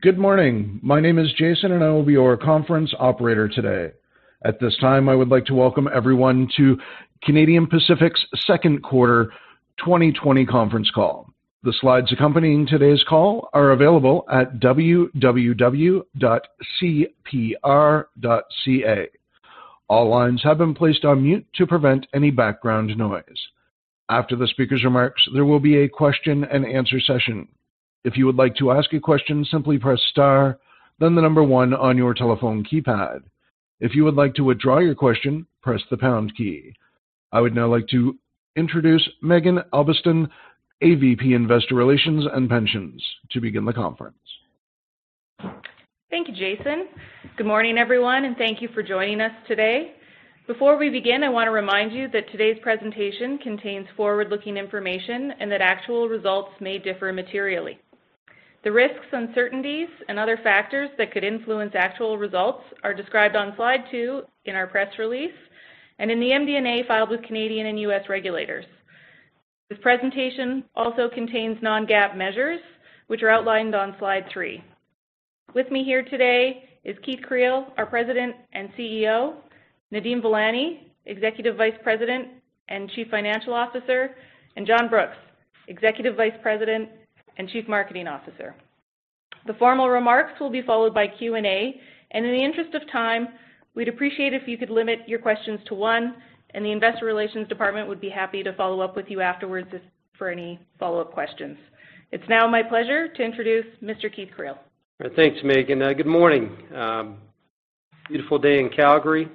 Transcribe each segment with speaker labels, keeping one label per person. Speaker 1: Good morning. My name is Jason, and I will be your conference operator today. At this time, I would like to welcome everyone to Canadian Pacific's second quarter 2020 conference call. The slides accompanying today's call are available at www.cpkcr.com. All lines have been placed on mute to prevent any background noise. After the speaker's remarks, there will be a Q&A session. If you would like to ask a question, simply press star, then the number one on your telephone keypad. If you would like to withdraw your question, press the pound key. I would now like to introduce Maeghan Albiston, AVP, Investor Relations and Pensions, to begin the conference.
Speaker 2: Thank you, Jason. Good morning, everyone, and thank you for joining us today. Before we begin, I want to remind you that today's presentation contains forward-looking information and that actual results may differ materially. The risks, uncertainties, and other factors that could influence actual results are described on slide two in our press release and in the MD&A filed with Canadian and U.S. regulators. This presentation also contains non-GAAP measures, which are outlined on slide three. With me here today is Keith Creel, our President and CEO, Nadeem Velani, Executive Vice President and Chief Financial Officer, and John Brooks, Executive Vice President and Chief Marketing Officer. The formal remarks will be followed by Q&A, in the interest of time, we'd appreciate if you could limit your questions to one and the investor relations department would be happy to follow up with you afterwards if for any follow-up questions. It's now my pleasure to introduce Mr. Keith Creel.
Speaker 3: Thanks, Maeghan. Good morning. Beautiful day in Calgary.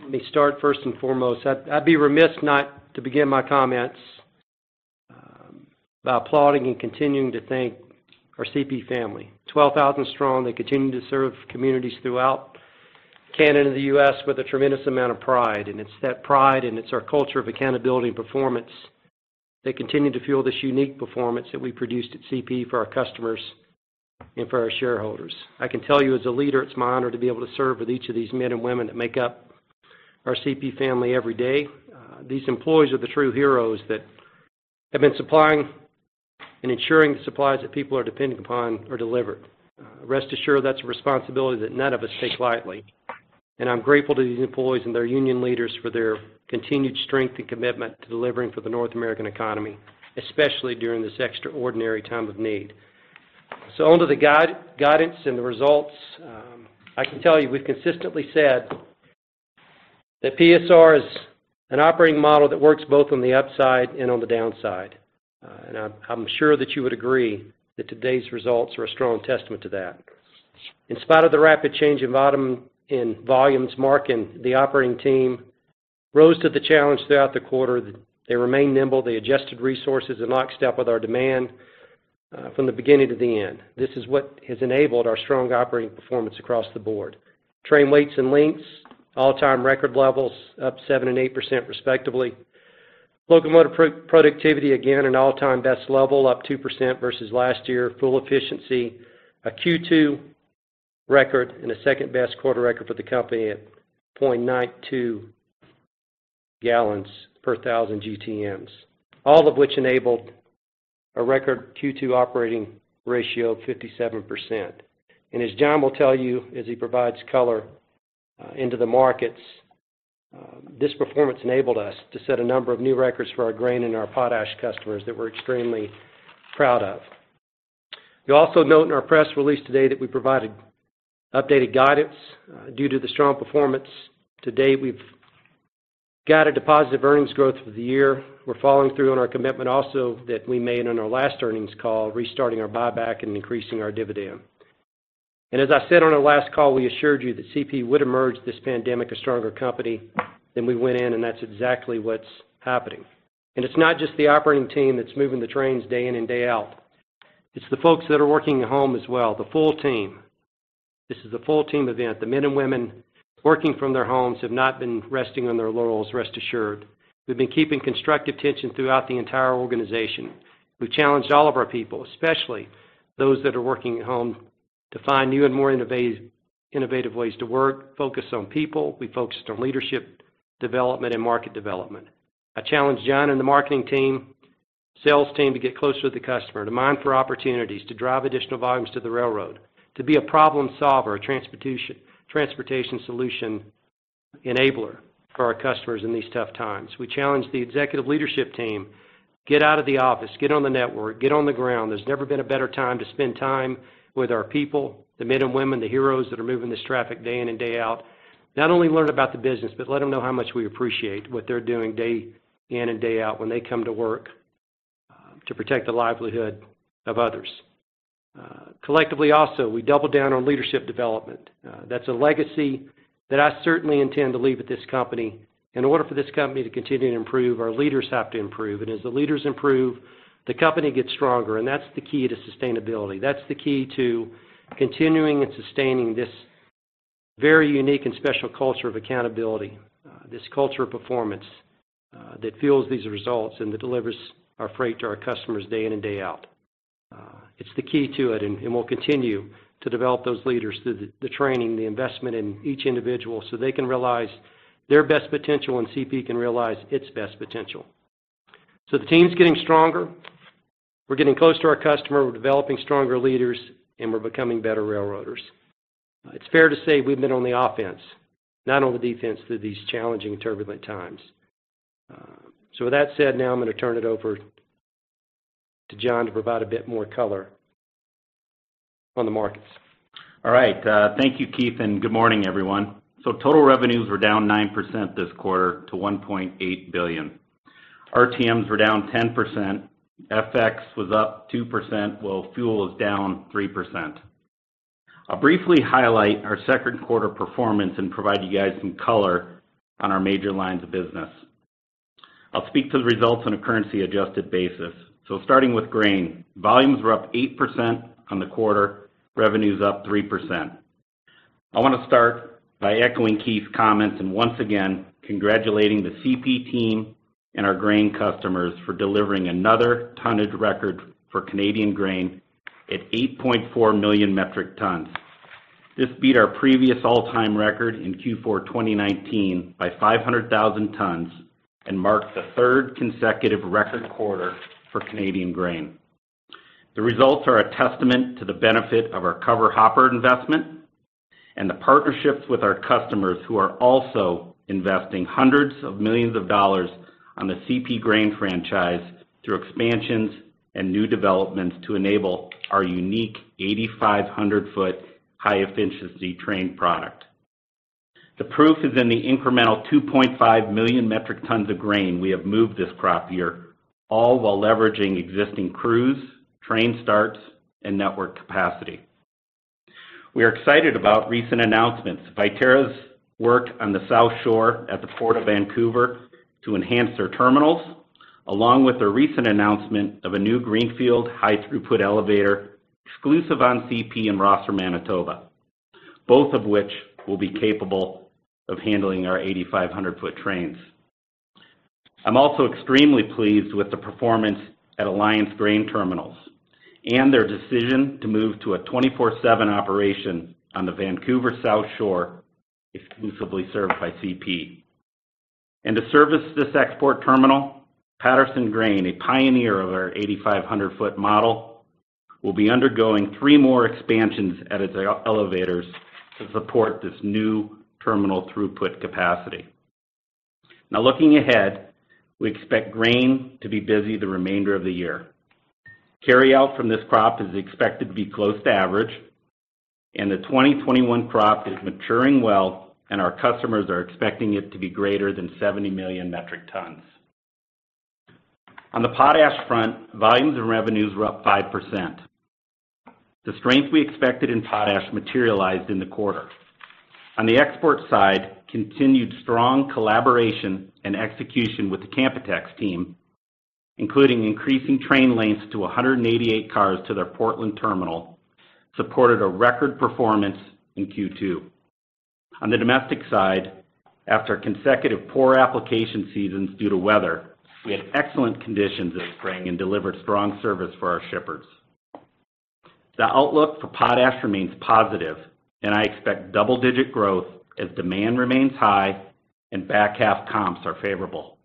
Speaker 3: Let me start first and foremost. I'd be remiss not to begin my comments by applauding and continuing to thank our CP family. 12,000 strong, they continue to serve communities throughout Canada and the U.S. with a tremendous amount of pride. It's that pride, and it's our culture of accountability and performance that continue to fuel this unique performance that we produced at CP for our customers and for our shareholders. I can tell you, as a leader, it's my honor to be able to serve with each of these men and women that make up our CP family every day. These employees are the true heroes that have been supplying and ensuring the supplies that people are depending upon are delivered. Rest assured that's a responsibility that none of us take lightly, and I'm grateful to these employees and their union leaders for their continued strength and commitment to delivering for the North American economy, especially during this extraordinary time of need. On to the guidance and the results. I can tell you, we've consistently said that PSR is an operating model that works both on the upside and on the downside. I'm sure that you would agree that today's results are a strong testament to that. In spite of the rapid change in volumes, Mark and the operating team rose to the challenge throughout the quarter. They remained nimble. They adjusted resources in lockstep with our demand from the beginning to the end. This is what has enabled our strong operating performance across the board. Train weights and lengths, all-time record levels, up 7% and 8% respectively. Locomotive productivity, again, an all-time best level, up 2% versus last year. Fuel efficiency, a Q2 record and a second-best quarter record for the company at 0.92 gallons per 1,000 GTMs. All of which enabled a record Q2 operating ratio of 57%. As John will tell you, as he provides color into the markets, this performance enabled us to set a number of new records for our grain and our potash customers that we're extremely proud of. You'll also note in our press release today that we provided updated guidance due to the strong performance. To date, we've guided to positive earnings growth for the year. We're following through on our commitment also that we made on our last earnings call, restarting our buyback and increasing our dividend. As I said on our last call, we assured you that CP would emerge this pandemic a stronger company than we went in, that's exactly what's happening. It's not just the operating team that's moving the trains day in and day out. It's the folks that are working at home as well, the full team. This is a full team event. The men and women working from their homes have not been resting on their laurels, rest assured. We've been keeping constructive tension throughout the entire organization. We've challenged all of our people, especially those that are working at home, to find new and more innovative ways to work, focus on people. We focused on leadership development and market development. I challenged John and the marketing team, sales team to get closer to the customer, to mine for opportunities, to drive additional volumes to the railroad, to be a problem solver, a transportation solution enabler for our customers in these tough times. We challenged the executive leadership team, get out of the office, get on the network, get on the ground. There's never been a better time to spend time with our people, the men and women, the heroes that are moving this traffic day in and day out. Not only learn about the business, but let them know how much we appreciate what they're doing day in and day out when they come to work, to protect the livelihood of others. Collectively also, we doubled down on leadership development. That's a legacy that I certainly intend to leave at this company. In order for this company to continue to improve, our leaders have to improve. As the leaders improve, the company gets stronger, and that's the key to sustainability. That's the key to continuing and sustaining this very unique and special culture of accountability, this culture of performance, that fuels these results and that delivers our freight to our customers day in and day out. It's the key to it, and we'll continue to develop those leaders through the training, the investment in each individual, so they can realize their best potential and CP can realize its best potential. The team's getting stronger. We're getting close to our customer. We're developing stronger leaders, and we're becoming better railroaders. It's fair to say we've been on the offense, not on the defense through these challenging and turbulent times. With that said, now I am going to turn it over to John to provide a bit more color on the markets.
Speaker 4: Thank you, Keith, and good morning, everyone. Total revenues were down 9% this quarter to 1.8 billion. RTMs were down 10%. FX was up 2%, while fuel is down 3%. I'll briefly highlight our second quarter performance and provide you guys some color on our major lines of business. I'll speak to the results on a currency-adjusted basis. Starting with grain, volumes were up 8% on the quarter, revenues up 3%. I want to start by echoing Keith's comments and once again congratulating the CP team and our grain customers for delivering another tonnage record for Canadian grain at 8.4 million metric tons. This beat our previous all-time record in Q4 2019 by 500,000 tons and marked the third consecutive record quarter for Canadian grain. The results are a testament to the benefit of our covered hopper investment and the partnerships with our customers who are also investing hundreds of millions of CAD on the CP grain franchise through expansions and new developments to enable our unique 8,500 foot high-efficiency train product. The proof is in the incremental 2.5 million metric tons of grain we have moved this crop year, all while leveraging existing crews, train starts, and network capacity. We are excited about recent announcements. Viterra's work on the South Shore at the Port of Vancouver to enhance their terminals, along with the recent announcement of a new greenfield high-throughput elevator exclusive on CP in Rosser, Manitoba, both of which will be capable of handling our 8,500 foot trains. I'm also extremely pleased with the performance at Alliance Grain Terminals and their decision to move to a 24/7 operation on the Vancouver South Shore exclusively served by CP. To service this export terminal, Paterson Grain, a pioneer of our 8,500 foot model, will be undergoing three more expansions at its elevators to support this new terminal throughput capacity. Looking ahead, we expect grain to be busy the remainder of the year. Carryout from this crop is expected to be close to average, and the 2021 crop is maturing well, and our customers are expecting it to be greater than 70 million metric tons. On the potash front, volumes and revenues were up 5%. The strength we expected in potash materialized in the quarter. On the export side, continued strong collaboration and execution with the Canpotex team, including increasing train lengths to 188 cars to their Portland terminal, supported a record performance in Q2. On the domestic side, after consecutive poor application seasons due to weather, we had excellent conditions this spring and delivered strong service for our shippers. The outlook for potash remains positive. I expect double-digit growth as demand remains high and back-half comps are favorable.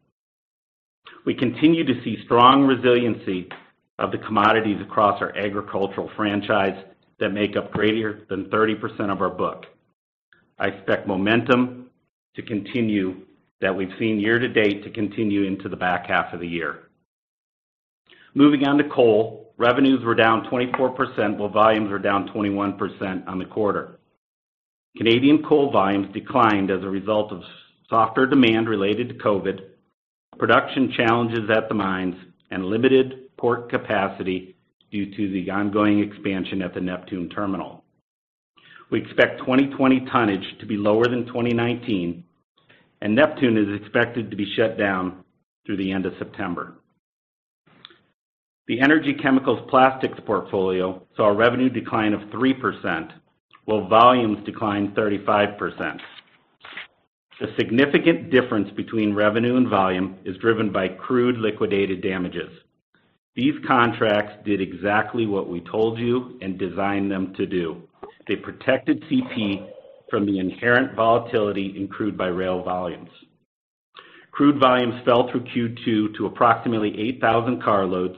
Speaker 4: We continue to see strong resiliency of the commodities across our agricultural franchise that make up greater than 30% of our book. I expect momentum to continue that we've seen year-to-date to continue into the back half of the year. Moving on to coal, revenues were down 24%, while volumes were down 21% on the quarter. Canadian coal volumes declined as a result of softer demand related to COVID, production challenges at the mines, and limited port capacity due to the ongoing expansion at the Neptune Terminal. We expect 2020 tonnage to be lower than 2019, and Neptune is expected to be shut down through the end of September. The energy chemicals plastics portfolio saw a revenue decline of 3%, while volumes declined 35%. The significant difference between revenue and volume is driven by crude liquidated damages. These contracts did exactly what we told you and designed them to do. They protected CP from the inherent volatility in crude by rail volumes. Crude volumes fell through Q2 to approximately 8,000 carloads,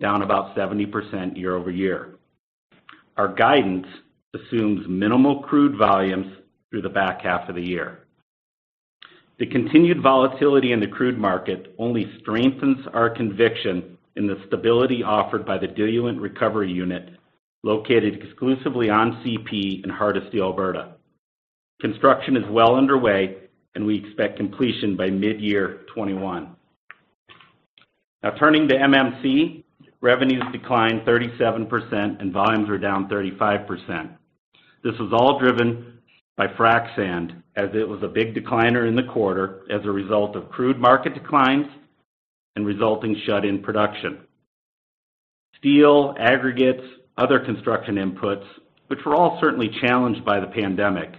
Speaker 4: down about 70% year-over-year. Our guidance assumes minimal crude volumes through the back half of the year. The continued volatility in the crude market only strengthens our conviction in the stability offered by the diluent recovery unit located exclusively on CP in Hardisty, Alberta. Construction is well underway. We expect completion by mid-year 2021. Turning to MMC, revenues declined 37% and volumes were down 35%. This was all driven by frac sand, as it was a big decliner in the quarter as a result of crude market declines and resulting shut-in production. Steel, aggregates, other construction inputs, which were all certainly challenged by the pandemic,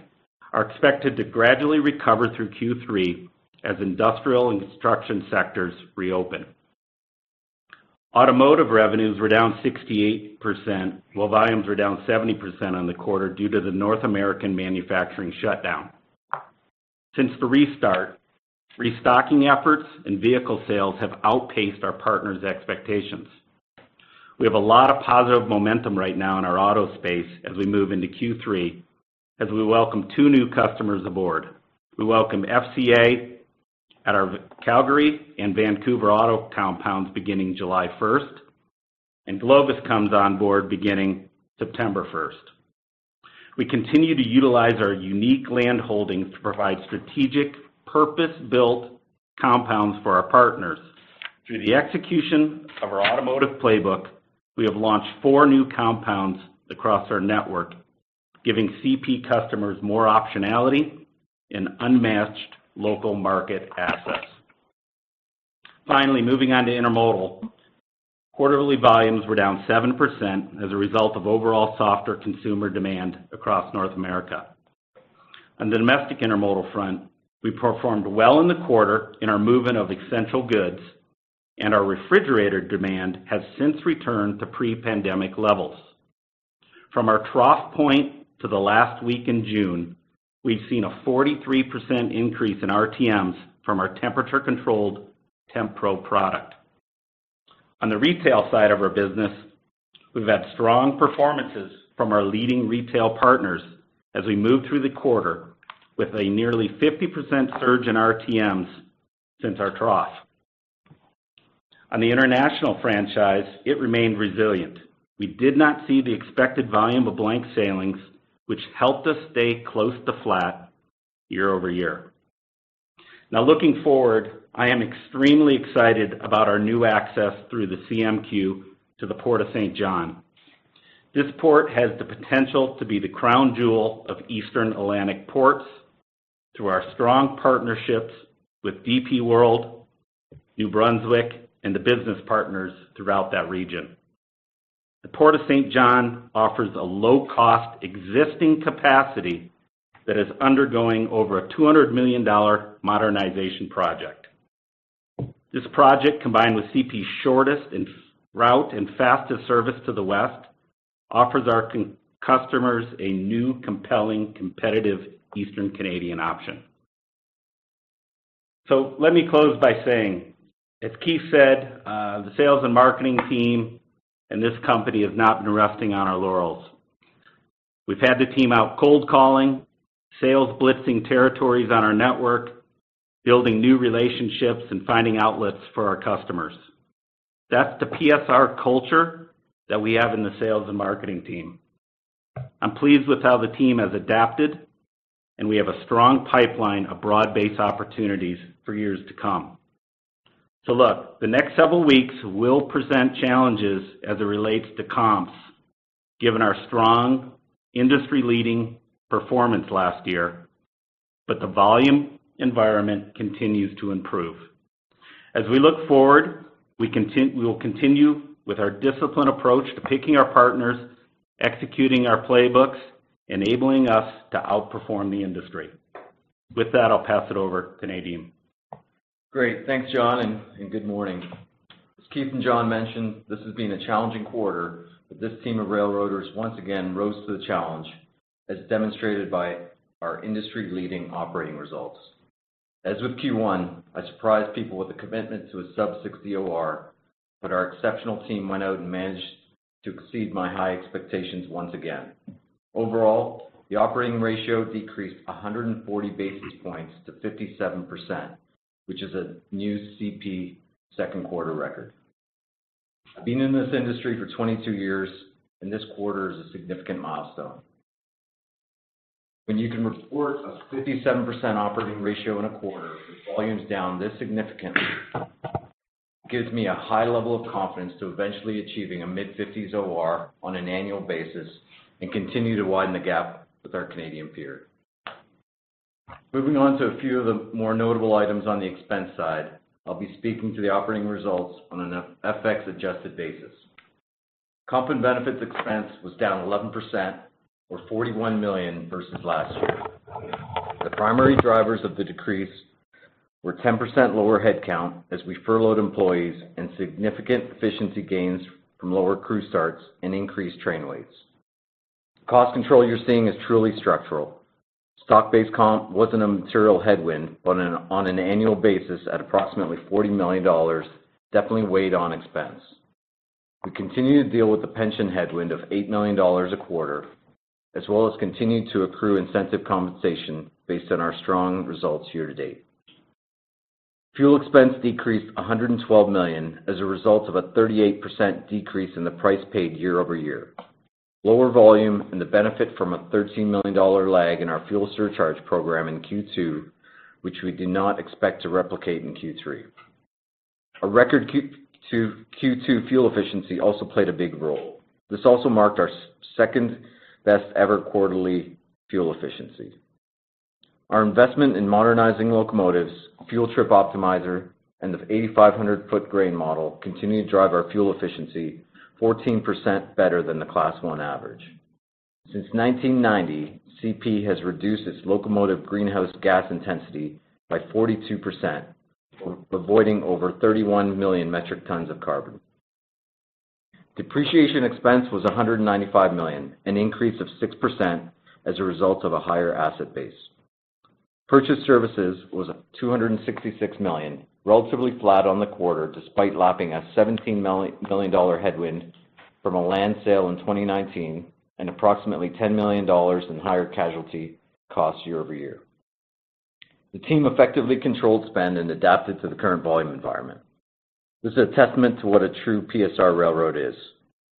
Speaker 4: are expected to gradually recover through Q3 as industrial and construction sectors reopen. Automotive revenues were down 68%, while volumes were down 70% on the quarter due to the North American manufacturing shutdown. Since the restart, restocking efforts and vehicle sales have outpaced our partners' expectations. We have a lot of positive momentum right now in our auto space as we move into Q3 as we welcome two new customers aboard. We welcome FCA at our Calgary and Vancouver auto compounds beginning July 1st, and Glovis comes on board beginning September 1st. We continue to utilize our unique land holdings to provide strategic purpose-built compounds for our partners. Through the execution of our automotive playbook, we have launched four new compounds across our network, giving CP customers more optionality and unmatched local market access. Finally, moving on to intermodal. Quarterly volumes were down 7% as a result of overall softer consumer demand across North America. On the domestic intermodal front, we performed well in the quarter in our movement of essential goods, and our refrigerator demand has since returned to pre-pandemic levels. From our trough point to the last week in June, we've seen a 43% increase in RTMs from our temperature-controlled TempPro product. On the retail side of our business, we've had strong performances from our leading retail partners as we move through the quarter with a nearly 50% surge in RTMs since our trough. On the international franchise, it remained resilient. We did not see the expected volume of blank sailings, which helped us stay close to flat year over year. Looking forward, I am extremely excited about our new access through the CMQ to the Port of Saint John. This port has the potential to be the crown jewel of Eastern Atlantic ports through our strong partnerships with DP World, New Brunswick, and the business partners throughout that region. The Port of Saint John offers a low-cost existing capacity that is undergoing over a 200 million dollar modernization project. This project, combined with CP's shortest route and fastest service to the West, offers our customers a new, compelling, competitive Eastern Canadian option. Let me close by saying, as Keith said, the sales and marketing team and this company have not been resting on our laurels. We've had the team out cold calling, sales blitzing territories on our network, building new relationships, and finding outlets for our customers. That's the PSR culture that we have in the sales and marketing team. I'm pleased with how the team has adapted, and we have a strong pipeline of broad-based opportunities for years to come. Look, the next several weeks will present challenges as it relates to comps, given our strong industry-leading performance last year. The volume environment continues to improve. As we look forward, we will continue with our disciplined approach to picking our partners, executing our playbooks, enabling us to outperform the industry. With that, I'll pass it over to Nadeem.
Speaker 5: Great. Thanks, John, and good morning. As Keith and John mentioned, this has been a challenging quarter, but this team of railroaders once again rose to the challenge, as demonstrated by our industry-leading operating results. As with Q1, I surprised people with a commitment to a sub-60 OR, but our exceptional team went out and managed to exceed my high expectations once again. Overall, the operating ratio decreased 140 basis points to 57%, which is a new CP second quarter record. I've been in this industry for 22 years, this quarter is a significant milestone. When you can report a 57% operating ratio in a quarter with volumes down this significantly, it gives me a high level of confidence to eventually achieving a mid-50s OR on an annual basis and continue to widen the gap with our Canadian peer. Moving on to a few of the more notable items on the expense side, I'll be speaking to the operating results on an FX-adjusted basis. Comp and benefits expense was down 11% or 41 million versus last year. The primary drivers of the decrease were 10% lower headcount as we furloughed employees and significant efficiency gains from lower crew starts and increased train weights. Cost control you're seeing is truly structural. Stock-based comp wasn't a material headwind, but on an annual basis at approximately 40 million dollars definitely weighed on expense. We continue to deal with the pension headwind of 8 million dollars a quarter, as well as continue to accrue incentive compensation based on our strong results year to date. Fuel expense decreased 112 million as a result of a 38% decrease in the price paid year-over-year. Lower volume and the benefit from a 13 million dollar lag in our fuel surcharge program in Q2, which we do not expect to replicate in Q3. A record Q2 fuel efficiency also played a big role. This also marked our second-best ever quarterly fuel efficiency. Our investment in modernizing locomotives, Trip Optimizer, and the 8,500 foot grain model continue to drive our fuel efficiency 14% better than the Class I average. Since 1990, CP has reduced its locomotive greenhouse gas intensity by 42%, avoiding over 31 million metric tons of carbon. Depreciation expense was 195 million, an increase of 6% as a result of a higher asset base. Purchase services was 266 million, relatively flat on the quarter despite lapping a 17 million dollar headwind from a land sale in 2019 and approximately 10 million dollars in higher casualty costs year-over-year. The team effectively controlled spend and adapted to the current volume environment. This is a testament to what a true PSR railroad is.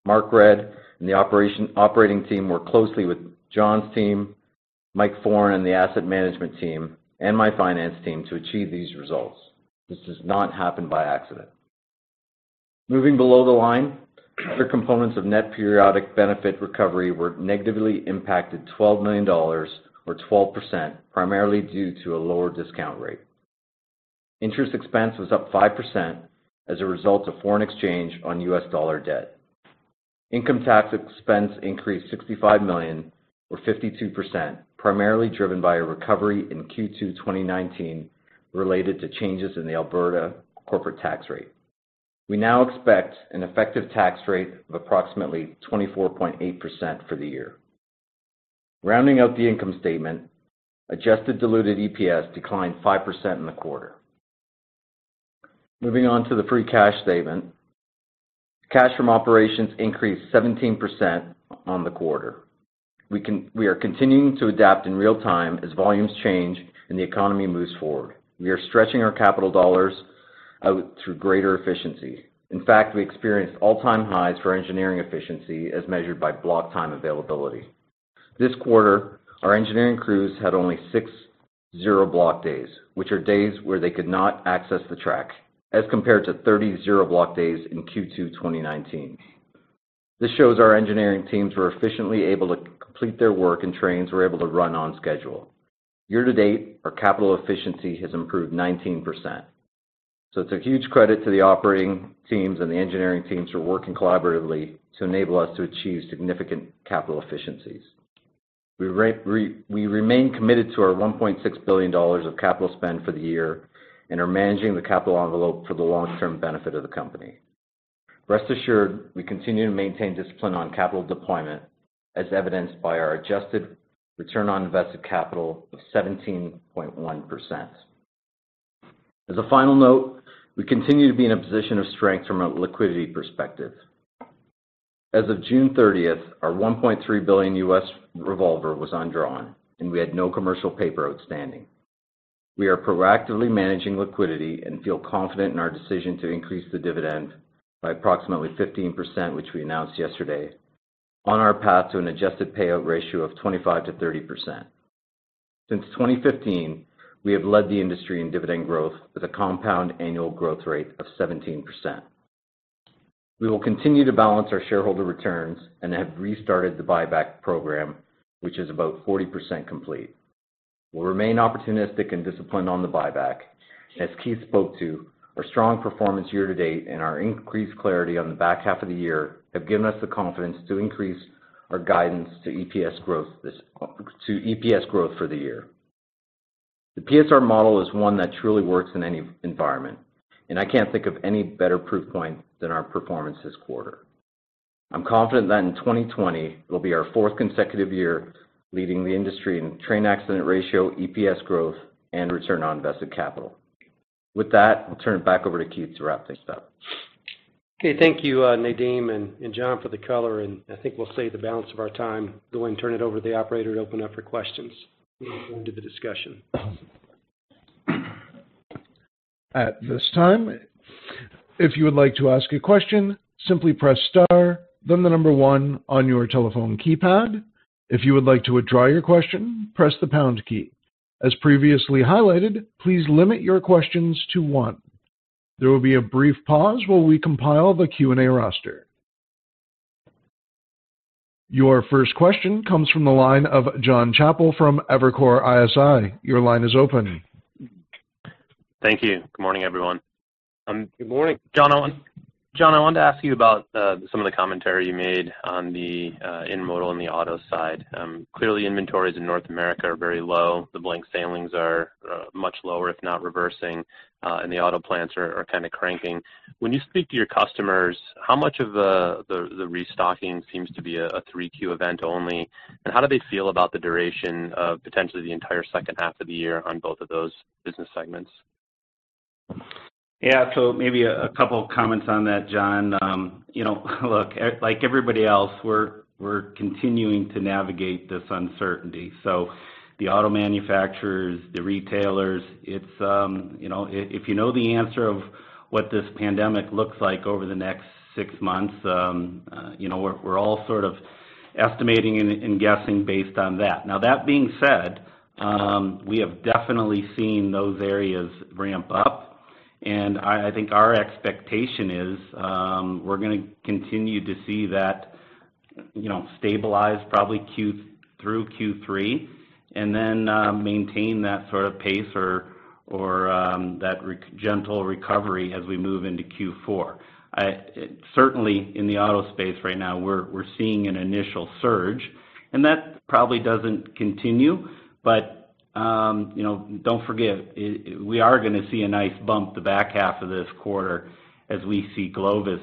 Speaker 5: Mark Redd and the operating team worked closely with John's team, Mike Foran and the asset management team, and my finance team to achieve these results. This does not happen by accident. Moving below the line, other components of net periodic benefit recovery were negatively impacted 12 million dollars or 12%, primarily due to a lower discount rate. Interest expense was up 5% as a result of foreign exchange on US dollar debt. Income tax expense increased 65 million or 52%, primarily driven by a recovery in Q2 2019 related to changes in the Alberta corporate tax rate. We now expect an effective tax rate of approximately 24.8% for the year. Rounding out the income statement, adjusted diluted EPS declined 5% in the quarter. Moving on to the free cash statement. Cash from operations increased 17% on the quarter. We are continuing to adapt in real time as volumes change and the economy moves forward. We are stretching our capital dollars out through greater efficiency. In fact, we experienced all-time highs for engineering efficiency as measured by block time availability. This quarter, our engineering crews had only six zero-block days, which are days where they could not access the track, as compared to 30 zero-block days in Q2 2019. This shows our engineering teams were efficiently able to complete their work and trains were able to run on schedule. Year-to-date, our capital efficiency has improved 19%. It's a huge credit to the operating teams and the engineering teams for working collaboratively to enable us to achieve significant capital efficiencies. We remain committed to our 1.6 billion dollars of capital spend for the year and are managing the capital envelope for the long-term benefit of the company. Rest assured, we continue to maintain discipline on capital deployment as evidenced by our adjusted return on invested capital of 17.1%. As a final note, we continue to be in a position of strength from a liquidity perspective. As of June 30th, our $1.3 billion U.S. revolver was undrawn, and we had no commercial paper outstanding. We are proactively managing liquidity and feel confident in our decision to increase the dividend by approximately 15%, which we announced yesterday, on our path to an adjusted payout ratio of 25%-30%. Since 2015, we have led the industry in dividend growth with a compound annual growth rate of 17%. We will continue to balance our shareholder returns and have restarted the buyback program, which is about 40% complete. We'll remain opportunistic and disciplined on the buyback. As Keith spoke to, our strong performance year-to-date and our increased clarity on the back half of the year have given us the confidence to increase our guidance to EPS growth for the year. The PSR model is one that truly works in any environment, and I can't think of any better proof point than our performance this quarter. I'm confident that in 2020, it'll be our fourth consecutive year leading the industry in train accident ratio, EPS growth, and return on invested capital. With that, I'll turn it back over to Keith to wrap things up.
Speaker 3: Okay. Thank you, Nadeem and John for the color. I think we'll save the balance of our time. Go ahead and turn it over to the operator to open up for questions and we can go into the discussion.
Speaker 1: At this time, if you would like to ask a question, simply press star then the one on your telephone keypad. If you would like to withdraw your question, press the pound key. As previously highlighted, please limit your questions to one. There will be a brief pause while we compile the Q&A roster. Your first question comes from the line of Jon Chappell from Evercore ISI. Your line is open.
Speaker 6: Thank you. Good morning, everyone.
Speaker 4: Good morning.
Speaker 6: John, I wanted to ask you about some of the commentary you made on the intermodal and the auto side. Clearly inventories in North America are very low. The blank sailings are much lower, if not reversing, and the auto plants are kind of cranking. When you speak to your customers, how much of the restocking seems to be a 3Q event only? How do they feel about the duration of potentially the entire second half of the year on both of those business segments?
Speaker 4: Yeah. Maybe a couple of comments on that, Jon. You know, look, like everybody else, we're continuing to navigate this uncertainty. The auto manufacturers, the retailers, it's, you know, if you know the answer of what this pandemic looks like over the next six months, you know, we're all sort of estimating and guessing based on that. That being said, we have definitely seen those areas ramp up, and I think our expectation is, we're gonna continue to see that, you know, stabilize probably through Q3, and then maintain that sort of pace or that gentle recovery as we move into Q4. Certainly in the auto space right now, we're seeing an initial surge, and that probably doesn't continue. You know, don't forget, we are gonna see a nice bump the back half of this quarter as we see Glovis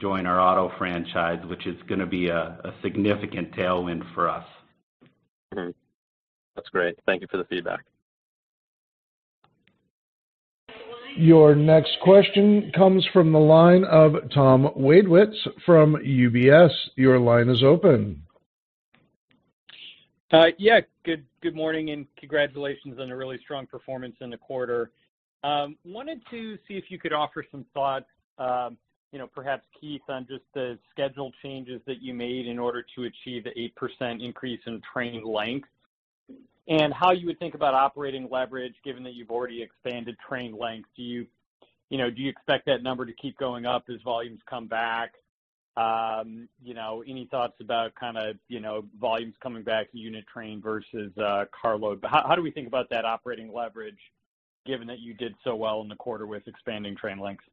Speaker 4: join our auto franchise, which is gonna be a significant tailwind for us.
Speaker 6: Mm-hmm. That's great. Thank you for the feedback.
Speaker 1: Your next question comes from the line of Tom Wadewitz from UBS. Your line is open.
Speaker 7: Yeah, good morning and congratulations on a really strong performance in the quarter. Wanted to see if you could offer some thought, you know, perhaps Keith, on just the schedule changes that you made in order to achieve the 8% increase in train length. How you would think about operating leverage given that you've already expanded train length. Do you know, do you expect that number to keep going up as volumes come back? You know, any thoughts about kind of, you know, volumes coming back unit train versus carload? How do we think about that operating leverage given that you did so well in the quarter with expanding train lengths?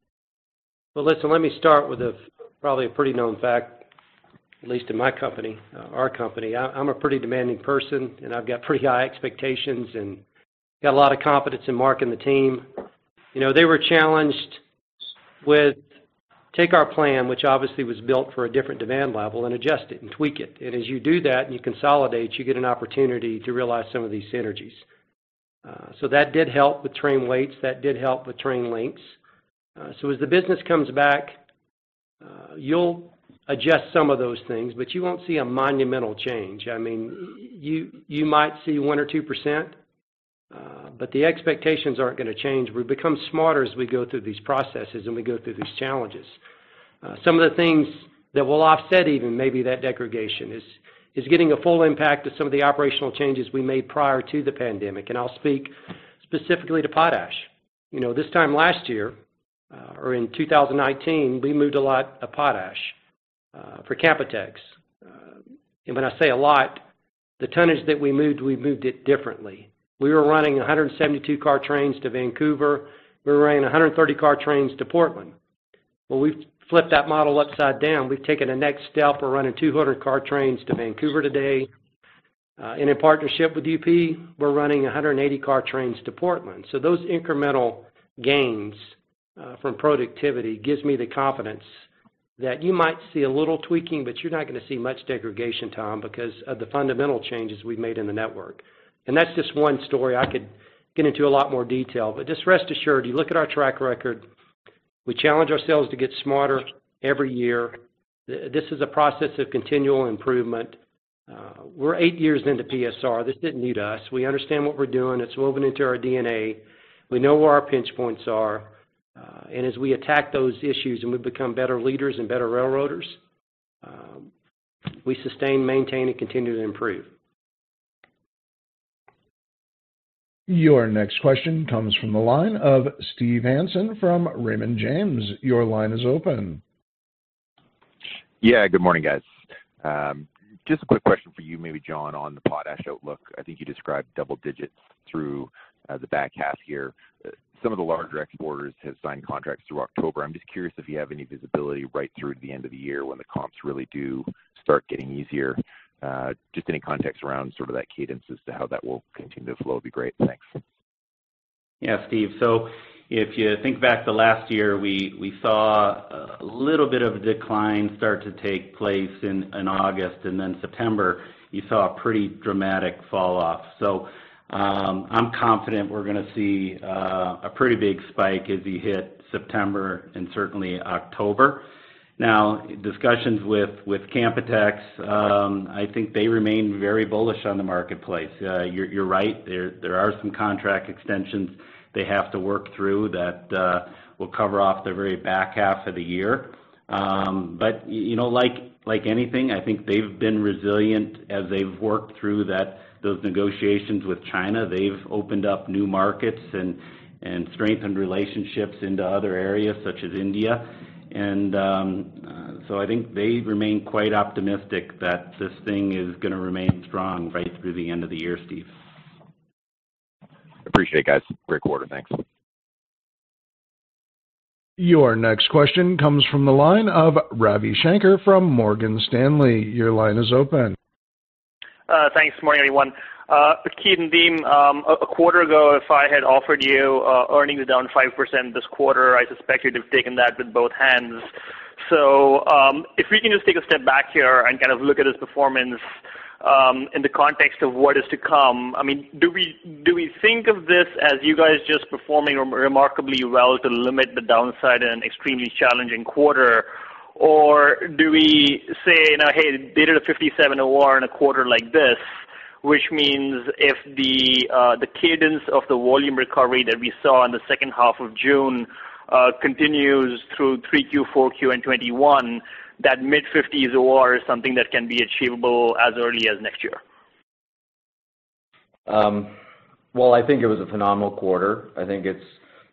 Speaker 3: Listen, let me start with a probably a pretty known fact, at least in my company, our company. I'm a pretty demanding person, and I've got pretty high expectations and got a lot of confidence in Mark and the team. You know, they were challenged with take our plan, which obviously was built for a different demand level, and adjust it and tweak it. As you do that and you consolidate, you get an opportunity to realize some of these synergies. That did help with train weights. That did help with train lengths. As the business comes back, you'll adjust some of those things, but you won't see a monumental change. I mean, you might see 1% or 2%, but the expectations aren't gonna change. We become smarter as we go through these processes and we go through these challenges. Some of the things that will offset even maybe that degradation is getting a full impact of some of the operational changes we made prior to the pandemic. I'll speak specifically to potash. You know, this time last year, or in 2019, we moved a lot of potash for Canpotex. When I say a lot, the tonnage that we moved, we moved it differently. We were running 172 car trains to Vancouver. We were running 130 car trains to Portland. We've flipped that model upside down. We've taken the next step. We're running 200 car trains to Vancouver today. In partnership with UP, we're running 180 car trains to Portland. Those incremental gains from productivity gives me the confidence that you might see a little tweaking, but you're not gonna see much degradation, Tom, because of the fundamental changes we've made in the network. That's just one story. I could get into a lot more detail, but just rest assured, you look at our track record, we challenge ourselves to get smarter every year. This is a process of continual improvement. We're eight years into PSR. This didn't need us. We understand what we're doing. It's woven into our DNA. We know where our pinch points are. As we attack those issues and we become better leaders and better railroaders, we sustain, maintain, and continue to improve.
Speaker 1: Your next question comes from the line of Steve Hansen from Raymond James. Your line is open.
Speaker 8: Yeah. Good morning, guys. Just a quick question for you, maybe John, on the potash outlook. I think you described double digits through the back half here. Some of the larger exporters have signed contracts through October. I'm just curious if you have any visibility right through to the end of the year when the comps really do start getting easier? Just any context around sort of that cadence as to how that will continue to flow would be great. Thanks.
Speaker 4: Yeah, Steve. If you think back to last year, we saw a little bit of a decline start to take place in August. September, you saw a pretty dramatic fall off. I'm confident we're gonna see a pretty big spike as we hit September and certainly October. Now, discussions with Canpotex, I think they remain very bullish on the marketplace. You're right. There are some contract extensions they have to work through that will cover off the very back half of the year. You know, like anything, I think they've been resilient as they've worked through that, those negotiations with China. They've opened up new markets and strengthened relationships into other areas such as India. I think they remain quite optimistic that this thing is gonna remain strong right through the end of the year, Steve.
Speaker 8: Appreciate it, guys. Great quarter. Thanks.
Speaker 1: Your next question comes from the line of Ravi Shanker from Morgan Stanley. Your line is open.
Speaker 9: Thanks. Morning, everyone. Keith and Nadeem, a quarter ago, if I had offered you earnings down 5% this quarter, I suspect you'd have taken that with both hands. If we can just take a step back here and kind of look at this performance in the context of what is to come. Do we think of this as you guys just performing remarkably well to limit the downside in an extremely challenging quarter? Do we say now, Hey, they did a 57 OR in a quarter like this, which means if the cadence of the volume recovery that we saw in the second half of June continues through 3Q, 4Q and 2021, that mid-50s OR is something that can be achievable as early as next year?
Speaker 5: Well, I think it was a phenomenal quarter. I think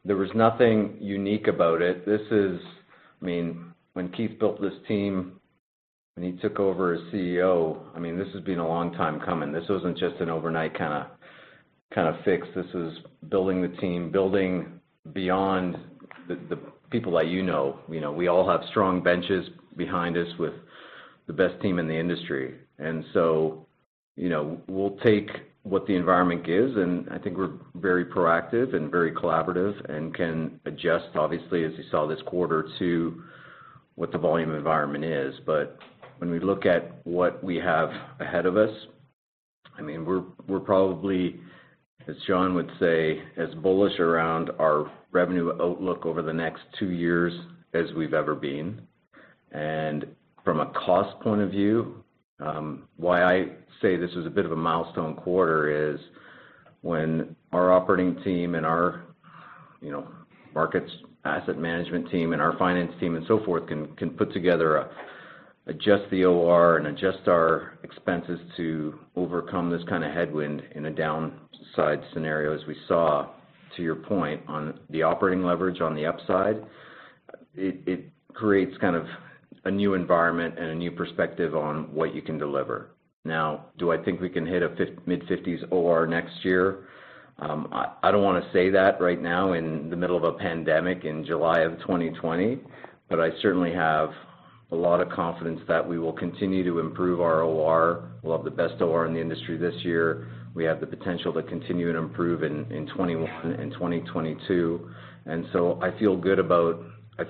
Speaker 5: there was nothing unique about it. I mean, when Keith built this team. When he took over as CEO, I mean, this has been a long time coming. This wasn't just an overnight kinda fix. This was building the team, building beyond the people that you know. You know, we all have strong benches behind us with the best team in the industry. You know, we'll take what the environment gives, and I think we're very proactive and very collaborative and can adjust, obviously, as you saw this quarter, to what the volume environment is. When we look at what we have ahead of us, I mean, we're probably, as John would say, as bullish around our revenue outlook over the next two years as we've ever been. From a cost point of view, why I say this is a bit of a milestone quarter is when our operating team and our, you know, markets asset management team and our finance team and so forth can put together adjust the OR and adjust our expenses to overcome this kind of headwind in a downside scenario as we saw, to your point, on the operating leverage on the upside, it creates kind of a new environment and a new perspective on what you can deliver. Now, do I think we can hit a mid-fifties OR next year? I don't wanna say that right now in the middle of a pandemic in July of 2020, but I certainly have a lot of confidence that we will continue to improve our OR. We'll have the best OR in the industry this year. We have the potential to continue to improve in 2021 and 2022. I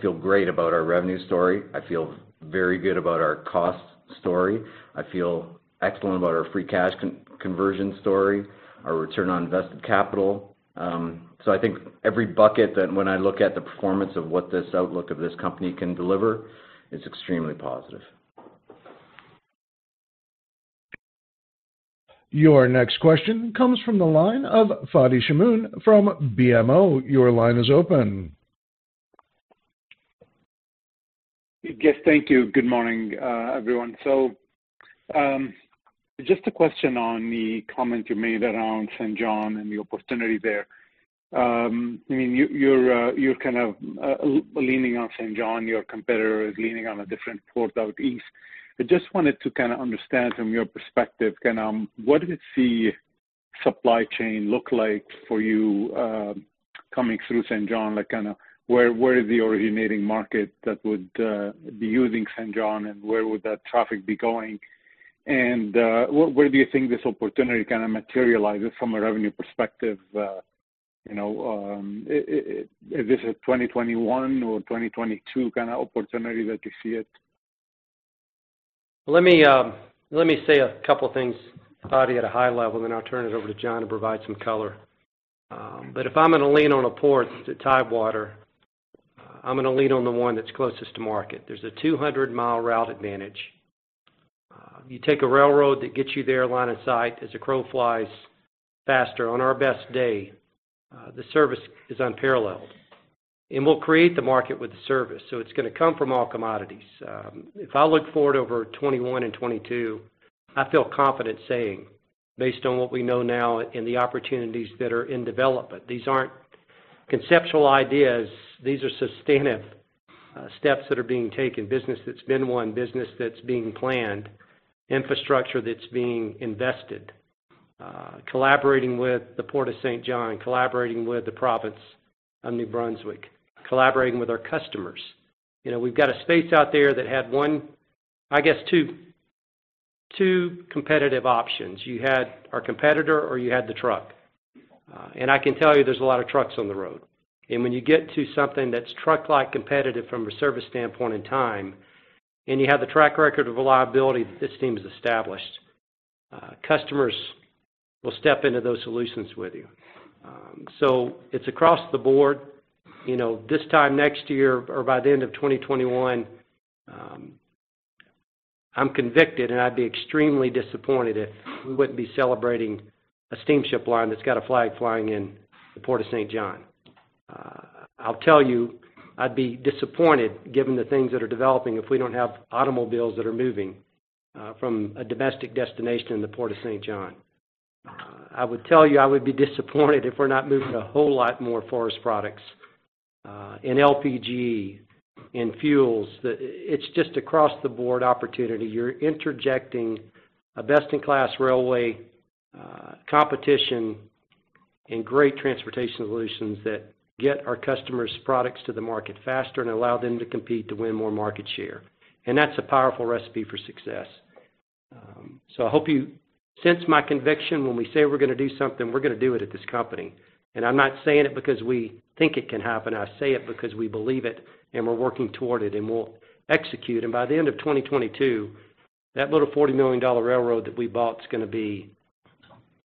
Speaker 5: feel great about our revenue story. I feel very good about our cost story. I feel excellent about our free cash conversion story, our return on invested capital. I think every bucket that when I look at the performance of what this outlook of this company can deliver is extremely positive.
Speaker 1: Your next question comes from the line of Fadi Chamoun from BMO. Your line is open.
Speaker 10: Yes, thank you. Good morning, everyone. Just a question on the comment you made around Saint John and the opportunity there. I mean, you're kind of leaning on Saint John, your competitor is leaning on a different port out east. I just wanted to kind of understand from your perspective, kind of what does the supply chain look like for you, coming through Saint John? Like, kind of where are the originating market that would be using Saint John, and where would that traffic be going? Where do you think this opportunity kind of materializes from a revenue perspective? You know, is this a 2021 or 2022 kind of opportunity that you see it?
Speaker 3: Let me, let me say a couple things, Fadi, at a high level, then I'll turn it over to John to provide some color. If I'm gonna lean on a port to tidewater, I'm gonna lean on the one that's closest to market. There's a 200-mile route advantage. You take a railroad that gets you there line of sight as a crow flies faster. On our best day, the service is unparalleled. We'll create the market with the service, so it's gonna come from all commodities. If I look forward over 2021 and 2022, I feel confident saying, based on what we know now and the opportunities that are in development, these aren't conceptual ideas. These are substantive, steps that are being taken, business that's been won, business that's being planned, infrastructure that's being invested. Collaborating with the Port of Saint John, collaborating with the province of New Brunswick, collaborating with our customers. You know, we've got a space out there that had one, I guess two competitive options. You had our competitor or you had the truck. I can tell you there's a lot of trucks on the road. When you get to something that's truck line competitive from a service standpoint and time, and you have the track record of reliability that this team has established, customers will step into those solutions with you. It's across the board. You know, this time next year or by the end of 2021, I'm convicted, and I'd be extremely disappointed if we wouldn't be celebrating a steamship line that's got a flag flying in the Port of Saint John. I'll tell you, I'd be disappointed given the things that are developing if we don't have automobiles that are moving from a domestic destination in the Port of Saint John. I would tell you I would be disappointed if we're not moving a whole lot more forest products in LPG, in fuels. It's just across the board opportunity. You're interjecting a best-in-class railway, competition and great transportation solutions that get our customers' products to the market faster and allow them to compete to win more market share. That's a powerful recipe for success. I hope you sense my conviction when we say we're gonna do something, we're gonna do it at this company. I'm not saying it because we think it can happen. I say it because we believe it and we're working toward it, and we'll execute. By the end of 2022, that little $40 million railroad that we bought is gonna be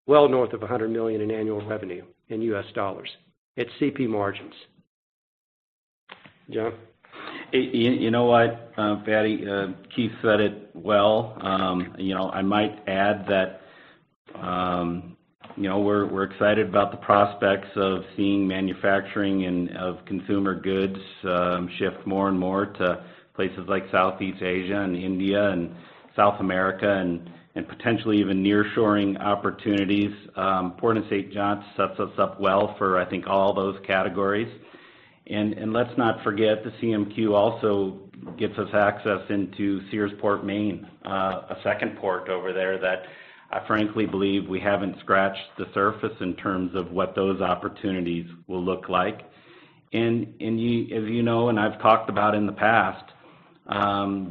Speaker 3: well north of $100 million in annual revenue in US dollars at CP margins. John?
Speaker 4: You know what, Fadi, Keith said it well. You know, I might add that, you know, we're excited about the prospects of seeing manufacturing and of consumer goods, shift more and more to places like Southeast Asia and India and South America and potentially even nearshoring opportunities. Port of Saint John sets us up well for, I think, all those categories. Let's not forget, the CMQ also gets us access into Searsport, Maine, a second port over there that I frankly believe we haven't scratched the surface in terms of what those opportunities will look like. As you know, and I've talked about in the past,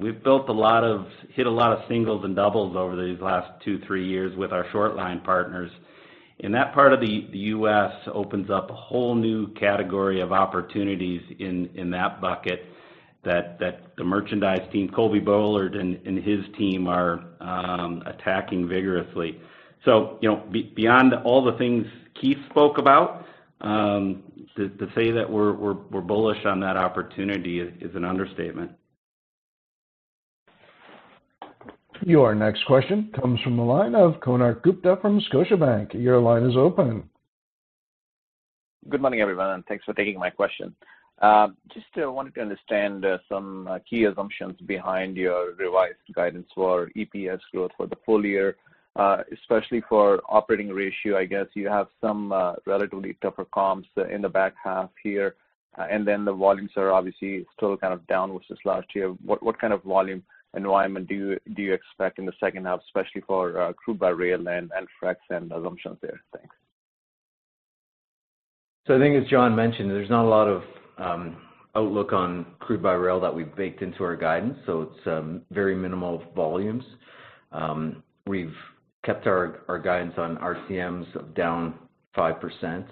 Speaker 4: we've hit a lot of singles and doubles over these last two, three years with our short line partners. That part of the U.S. opens up a whole new category of opportunities in that bucket that the merchandise team, Coby Bullard and his team are attacking vigorously. You know, beyond all the things Keith spoke about, to say that we're bullish on that opportunity is an understatement.
Speaker 1: Your next question comes from the line of Konark Gupta from Scotiabank. Your line is open.
Speaker 11: Good morning, everyone, and thanks for taking my question. Just wanted to understand some key assumptions behind your revised guidance for EPS growth for the full year, especially for operating ratio. I guess you have some relatively tougher comps in the back half here. The volumes are obviously still kind of down versus last year. What kind of volume environment do you expect in the second half, especially for crude by rail and frac sand assumptions there? Thanks.
Speaker 5: I think as John mentioned, there's not a lot of outlook on crude by rail that we've baked into our guidance, it's very minimal volumes. We've kept our guidance on RTMs down 5%.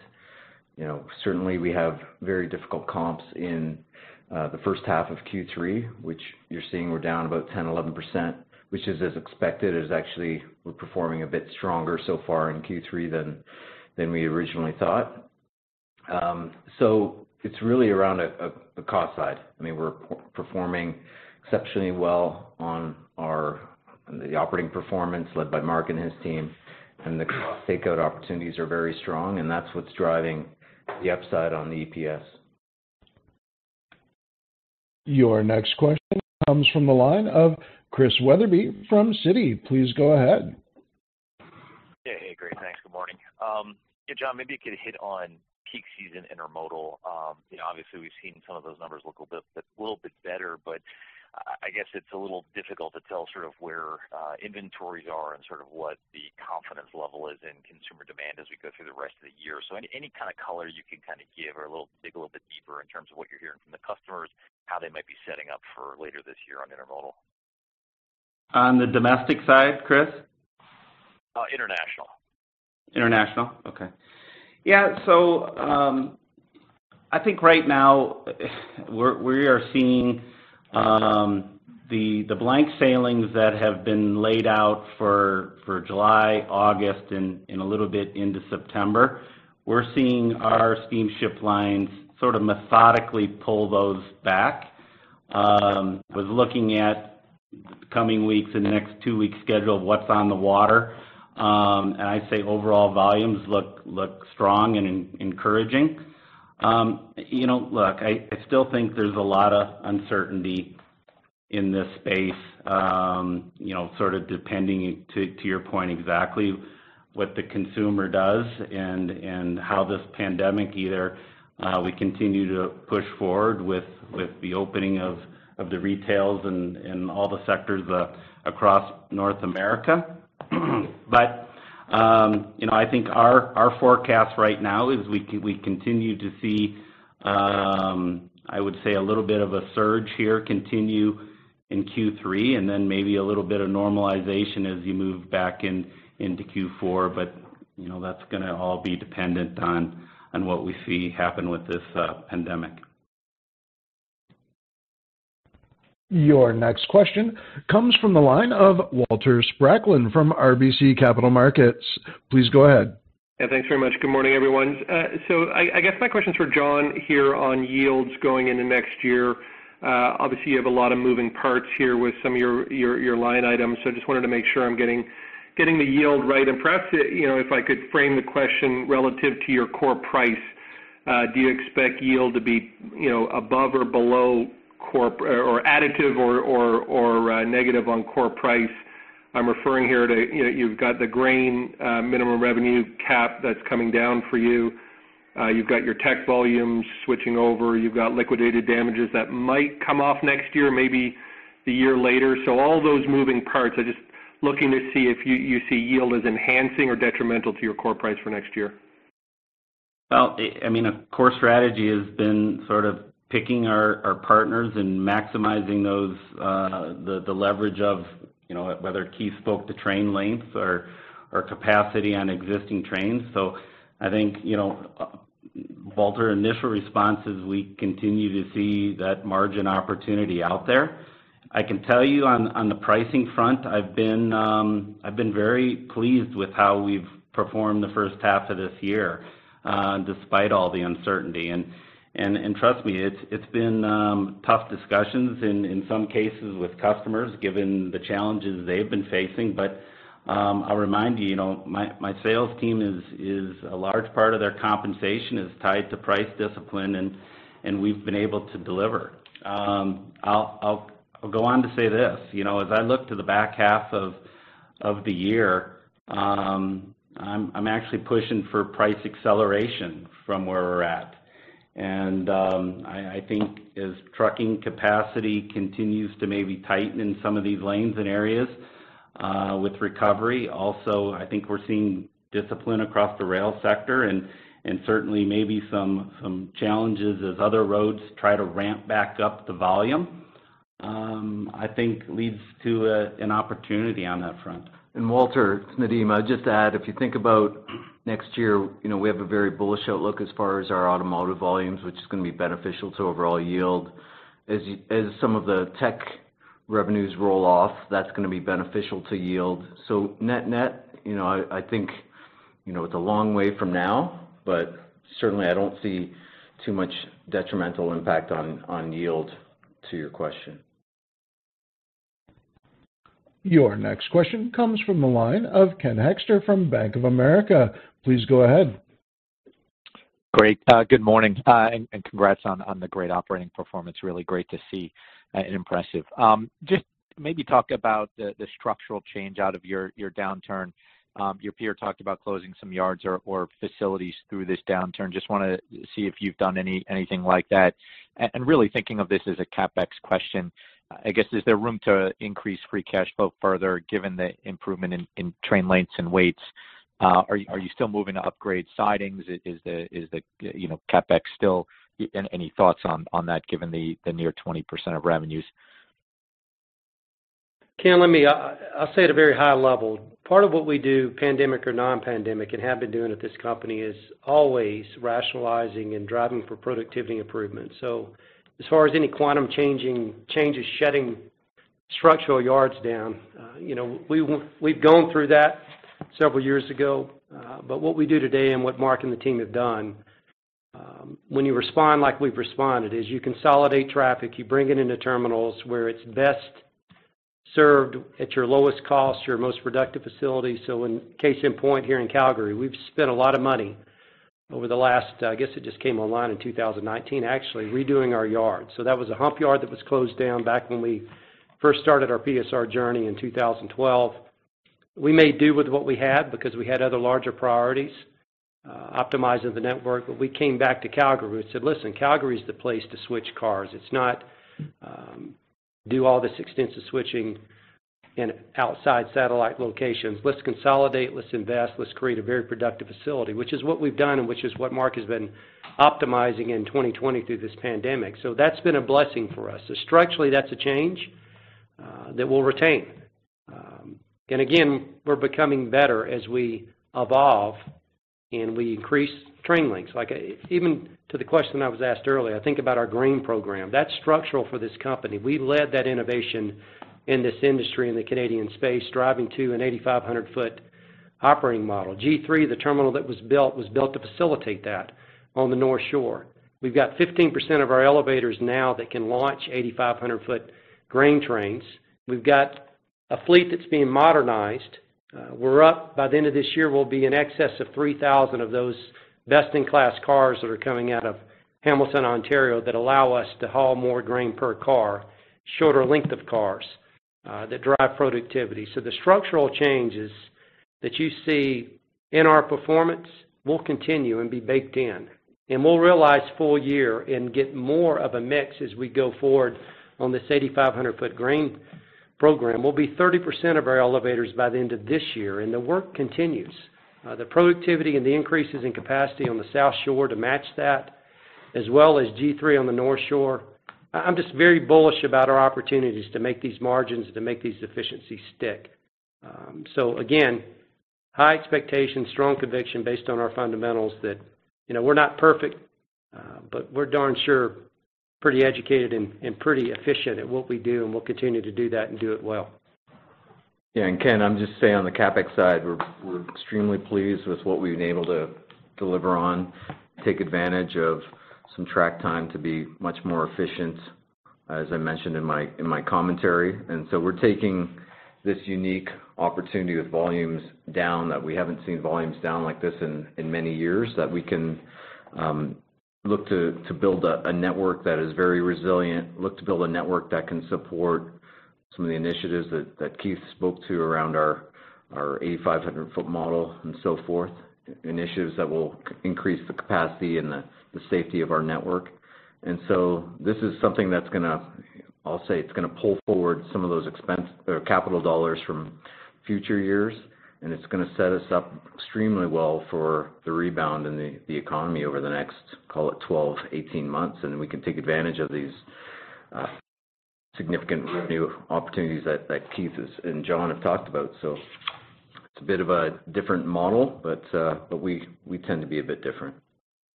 Speaker 5: You know, certainly we have very difficult comps in the first half of Q3, which you're seeing we're down about 10%, 11%, which is as expected, is actually we're performing a bit stronger so far in Q3 than we originally thought. It's really around a the cost side. I mean, we're performing exceptionally well on our, the operating performance led by Mark and his team. The cost takeout opportunities are very strong, and that's what's driving the upside on the EPS.
Speaker 1: Your next question comes from the line of Chris Wetherbee from Citi. Please go ahead.
Speaker 12: Yeah. Hey, great, thanks. Good morning. Yeah, John, maybe you could hit on peak season intermodal. You know, obviously we've seen some of those numbers look a bit, a little bit better, but I guess it's a little difficult to tell sort of where inventories are and sort of what the confidence level is in consumer demand as we go through the rest of the year. Any kind of color you can kind of give or dig a little bit deeper in terms of what you're hearing from the customers, how they might be setting up for later this year on intermodal.
Speaker 4: On the domestic side, Chris?
Speaker 12: International.
Speaker 4: International? Okay. Yeah. I think right now we're, we are seeing the blank sailings that have been laid out for July, August, and a little bit into September. We're seeing our steamship lines sort of methodically pull those back. Was looking at coming weeks in the next two weeks schedule of what's on the water. I'd say overall volumes look strong and encouraging. You know, look, I still think there's a lot of uncertainty in this space, you know, sort of depending to your point exactly what the consumer does and how this pandemic either we continue to push forward with the opening of the retails and all the sectors across North America. You know, I think our forecast right now is we continue to see, I would say a little bit of a surge here continue in Q3 and then maybe a little bit of normalization as you move back into Q4. You know, that's gonna all be dependent on what we see happen with this pandemic.
Speaker 1: Your next question comes from the line of Walter Spracklin from RBC Capital Markets. Please go ahead.
Speaker 13: Yeah, thanks very much. Good morning, everyone. I guess my question is for John here on yields going into next year? Obviously you have a lot of moving parts here with some of your line items. Just wanted to make sure I'm getting the yield right. Perhaps, you know, if I could frame the question relative to your core price, do you expect yield to be, you know, above or below core or additive or negative on core price? I'm referring here to, you know, you've got the grain, Maximum Revenue Entitlement that's coming down for you. You've got your take-or-pay volumes switching over. You've got liquidated damages that might come off next year, maybe a year later. All those moving parts, I just looking to see if you see yield as enhancing or detrimental to your core price for next year?
Speaker 4: Well, I mean, our core strategy has been sort of picking our partners and maximizing those, the leverage of, you know, whether Keith spoke to train length or capacity on existing trains. I think, you know, Walter, initial response is we continue to see that margin opportunity out there. I can tell you on the pricing front, I've been very pleased with how we've performed the first half of this year, despite all the uncertainty. Trust me, it's been tough discussions in some cases with customers given the challenges they've been facing. I'll remind you know, my sales team is a large part of their compensation is tied to price discipline, and we've been able to deliver. I'll go on to say this, you know, as I look to the back half of Of the year, I'm actually pushing for price acceleration from where we're at. I think as trucking capacity continues to maybe tighten in some of these lanes and areas, with recovery, also, I think we're seeing discipline across the rail sector and certainly maybe some challenges as other roads try to ramp back up the volume, I think leads to an opportunity on that front.
Speaker 5: Walter, it's Nadeem. I'd just add, if you think about next year, you know, we have a very bullish outlook as far as our automotive volumes, which is gonna be beneficial to overall yield. As some of the tech revenues roll off, that's gonna be beneficial to yield. Net-net, you know, I think, you know, it's a long way from now, but certainly I don't see too much detrimental impact on yield to your question.
Speaker 1: Your next question comes from the line of Ken Hoexter from Bank of America. Please go ahead.
Speaker 14: Great. Good morning, and congrats on the great operating performance. Really great to see and impressive. Just maybe talk about the structural change out of your downturn. Your peer talked about closing some yards or facilities through this downturn. Just wanna see if you've done anything like that. Really thinking of this as a CapEx question, I guess, is there room to increase free cash flow further given the improvement in train lengths and weights? Are you still moving to upgrade sidings? Is CapEx still? Any thoughts on that given the near 20% of revenues?
Speaker 3: Ken, let me, I'll say at a very high level, part of what we do, pandemic or non-pandemic, and have been doing at this company, is always rationalizing and driving for productivity improvement. As far as any quantum changes shutting structural yards down, you know, we've gone through that several years ago. What we do today and what Mark and the team have done, when you respond like we've responded, is you consolidate traffic, you bring it into terminals where it's best served at your lowest cost, your most productive facility. In case in point here in Calgary, we've spent a lot of money over the last, I guess it just came online in 2019, actually redoing our yard. That was a hump yard that was closed down back when we first started our PSR journey in 2012. We made do with what we had because we had other larger priorities, optimizing the network. We came back to Calgary. We said, Listen, Calgary is the place to switch cars. It's not, do all this extensive switching in outside satellite locations. Let's consolidate, let's invest, let's create a very productive facility, which is what we've done and which is what Mark has been optimizing in 2020 through this pandemic. That's been a blessing for us. Structurally, that's a change that we'll retain. Again, we're becoming better as we evolve and we increase train links. Like even to the question I was asked earlier, I think about our grain program. That's structural for this company. We led that innovation in this industry in the Canadian space, driving to an 8,500 foot operating model. G3, the terminal that was built, was built to facilitate that on the North Shore. We've got 15% of our elevators now that can launch 8,500 foot grain trains. We've got a fleet that's being modernized. We're up, by the end of this year, we'll be in excess of 3,000 of those best in class cars that are coming out of Hamilton, Ontario, that allow us to haul more grain per car, shorter length of cars, that drive productivity. The structural changes that you see in our performance will continue and be baked in, and we'll realize full year and get more of a mix as we go forward on this 8,500 foot grain program. We'll be 30% of our elevators by the end of this year, and the work continues. The productivity and the increases in capacity on the South Shore to match that, as well as G3 on the North Shore. I'm just very bullish about our opportunities to make these margins, to make these efficiencies stick. Again, high expectations, strong conviction based on our fundamentals that, you know, we're not perfect, but we're darn sure pretty educated and pretty efficient at what we do, and we'll continue to do that and do it well.
Speaker 5: Yeah. Ken, I'm just saying on the CapEx side, we're extremely pleased with what we've been able to deliver on, take advantage of some track time to be much more efficient, as I mentioned in my commentary. We're taking this unique opportunity with volumes down that we haven't seen volumes down like this in many years, that we can look to build a network that is very resilient, look to build a network that can support some of the initiatives that Keith spoke to around our 8,500-foot model and so forth, initiatives that will increase the capacity and the safety of our network. This is something that's gonna, I'll say it's gonna pull forward some of those expense or capital dollars from future years, and it's gonna set us up extremely well for the rebound in the economy over the next, call it 12, 18 months, and then we can take advantage of these significant revenue opportunities that Keith and John have talked about. It's a bit of a different model, but we tend to be a bit different.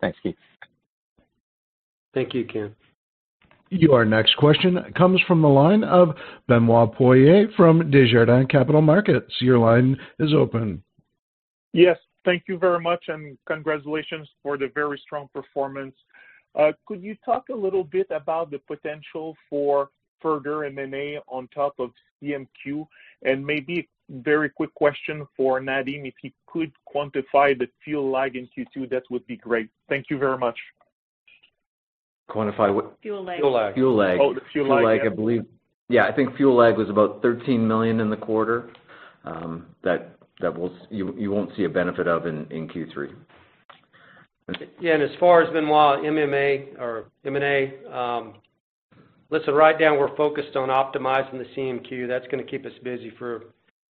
Speaker 14: Thanks, Keith.
Speaker 3: Thank you, Ken.
Speaker 1: Your next question comes from the line of Benoit Poirier from Desjardins Capital Markets. Your line is open.
Speaker 15: Yes. Thank you very much, and congratulations for the very strong performance. Could you talk a little bit about the potential for further M&A on top of CMQ? And maybe very quick question for Nadeem, if you could quantify the fuel lag in Q2, that would be great. Thank you very much.
Speaker 5: Quantify what?
Speaker 2: Fuel lag.
Speaker 3: Fuel lag.
Speaker 5: Oh, the fuel lag, yeah. Fuel lag was about 13 million in the quarter, that you won't see a benefit of in Q3.
Speaker 3: As far as M&A, or M&A, listen, right now we're focused on optimizing the CMQ. That's gonna keep us busy for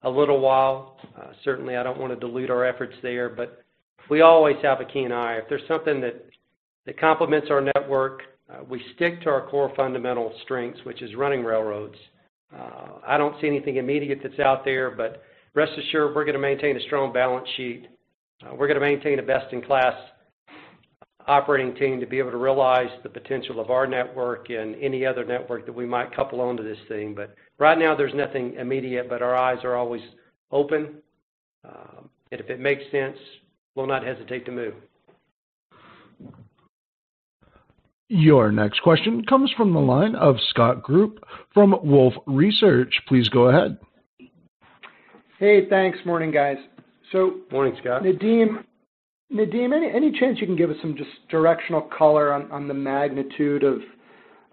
Speaker 3: a little while. Certainly I don't wanna dilute our efforts there, but we always have a keen eye. If there's something that complements our network, we stick to our core fundamental strengths, which is running railroads. I don't see anything immediate that's out there, but rest assured we're gonna maintain a strong balance sheet. We're gonna maintain a best in class operating team to be able to realize the potential of our network and any other network that we might couple onto this thing. Right now there's nothing immediate, but our eyes are always open. If it makes sense, we'll not hesitate to move.
Speaker 1: Your next question comes from the line of Scott Group from Wolfe Research. Please go ahead.
Speaker 16: Hey, thanks. Morning, guys.
Speaker 5: Morning, Scott.
Speaker 16: Nadeem, any chance you can give us some just directional color on the magnitude of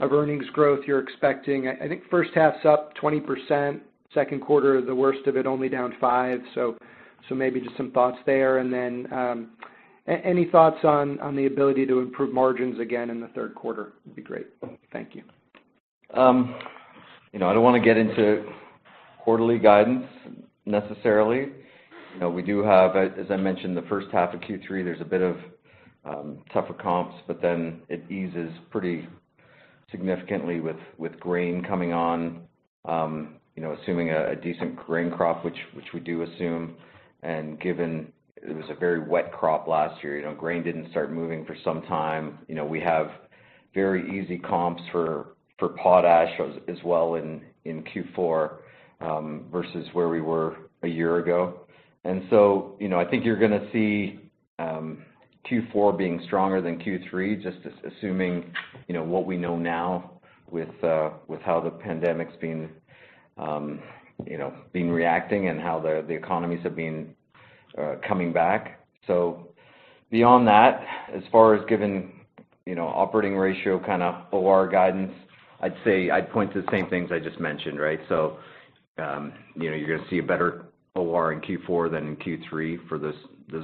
Speaker 16: earnings growth you're expecting? I think first half's up 20%, second quarter, the worst of it only down 5%. So maybe just some thoughts there. Any thoughts on the ability to improve margins again in the third quarter would be great. Thank you.
Speaker 5: You know, I don't want to get into quarterly guidance necessarily. You know, we do have, as I mentioned, the first half of Q3, there's a bit of tougher comps, it eases pretty significantly with grain coming on. You know, assuming a decent grain crop, which we do assume, and given it was a very wet crop last year, you know, grain didn't start moving for some time. You know, we have very easy comps for potash as well in Q4 versus where we were a year ago. You know, I think you're going to see Q4 being stronger than Q3, just assuming, you know, what we know now with how the pandemic has been, you know, been reacting and how the economies have been coming back. Beyond that, as far as given, you know, operating ratio kind of OR guidance, I'd say I'd point to the same things I just mentioned, right? You know, you're gonna see a better OR in Q4 than in Q3 for those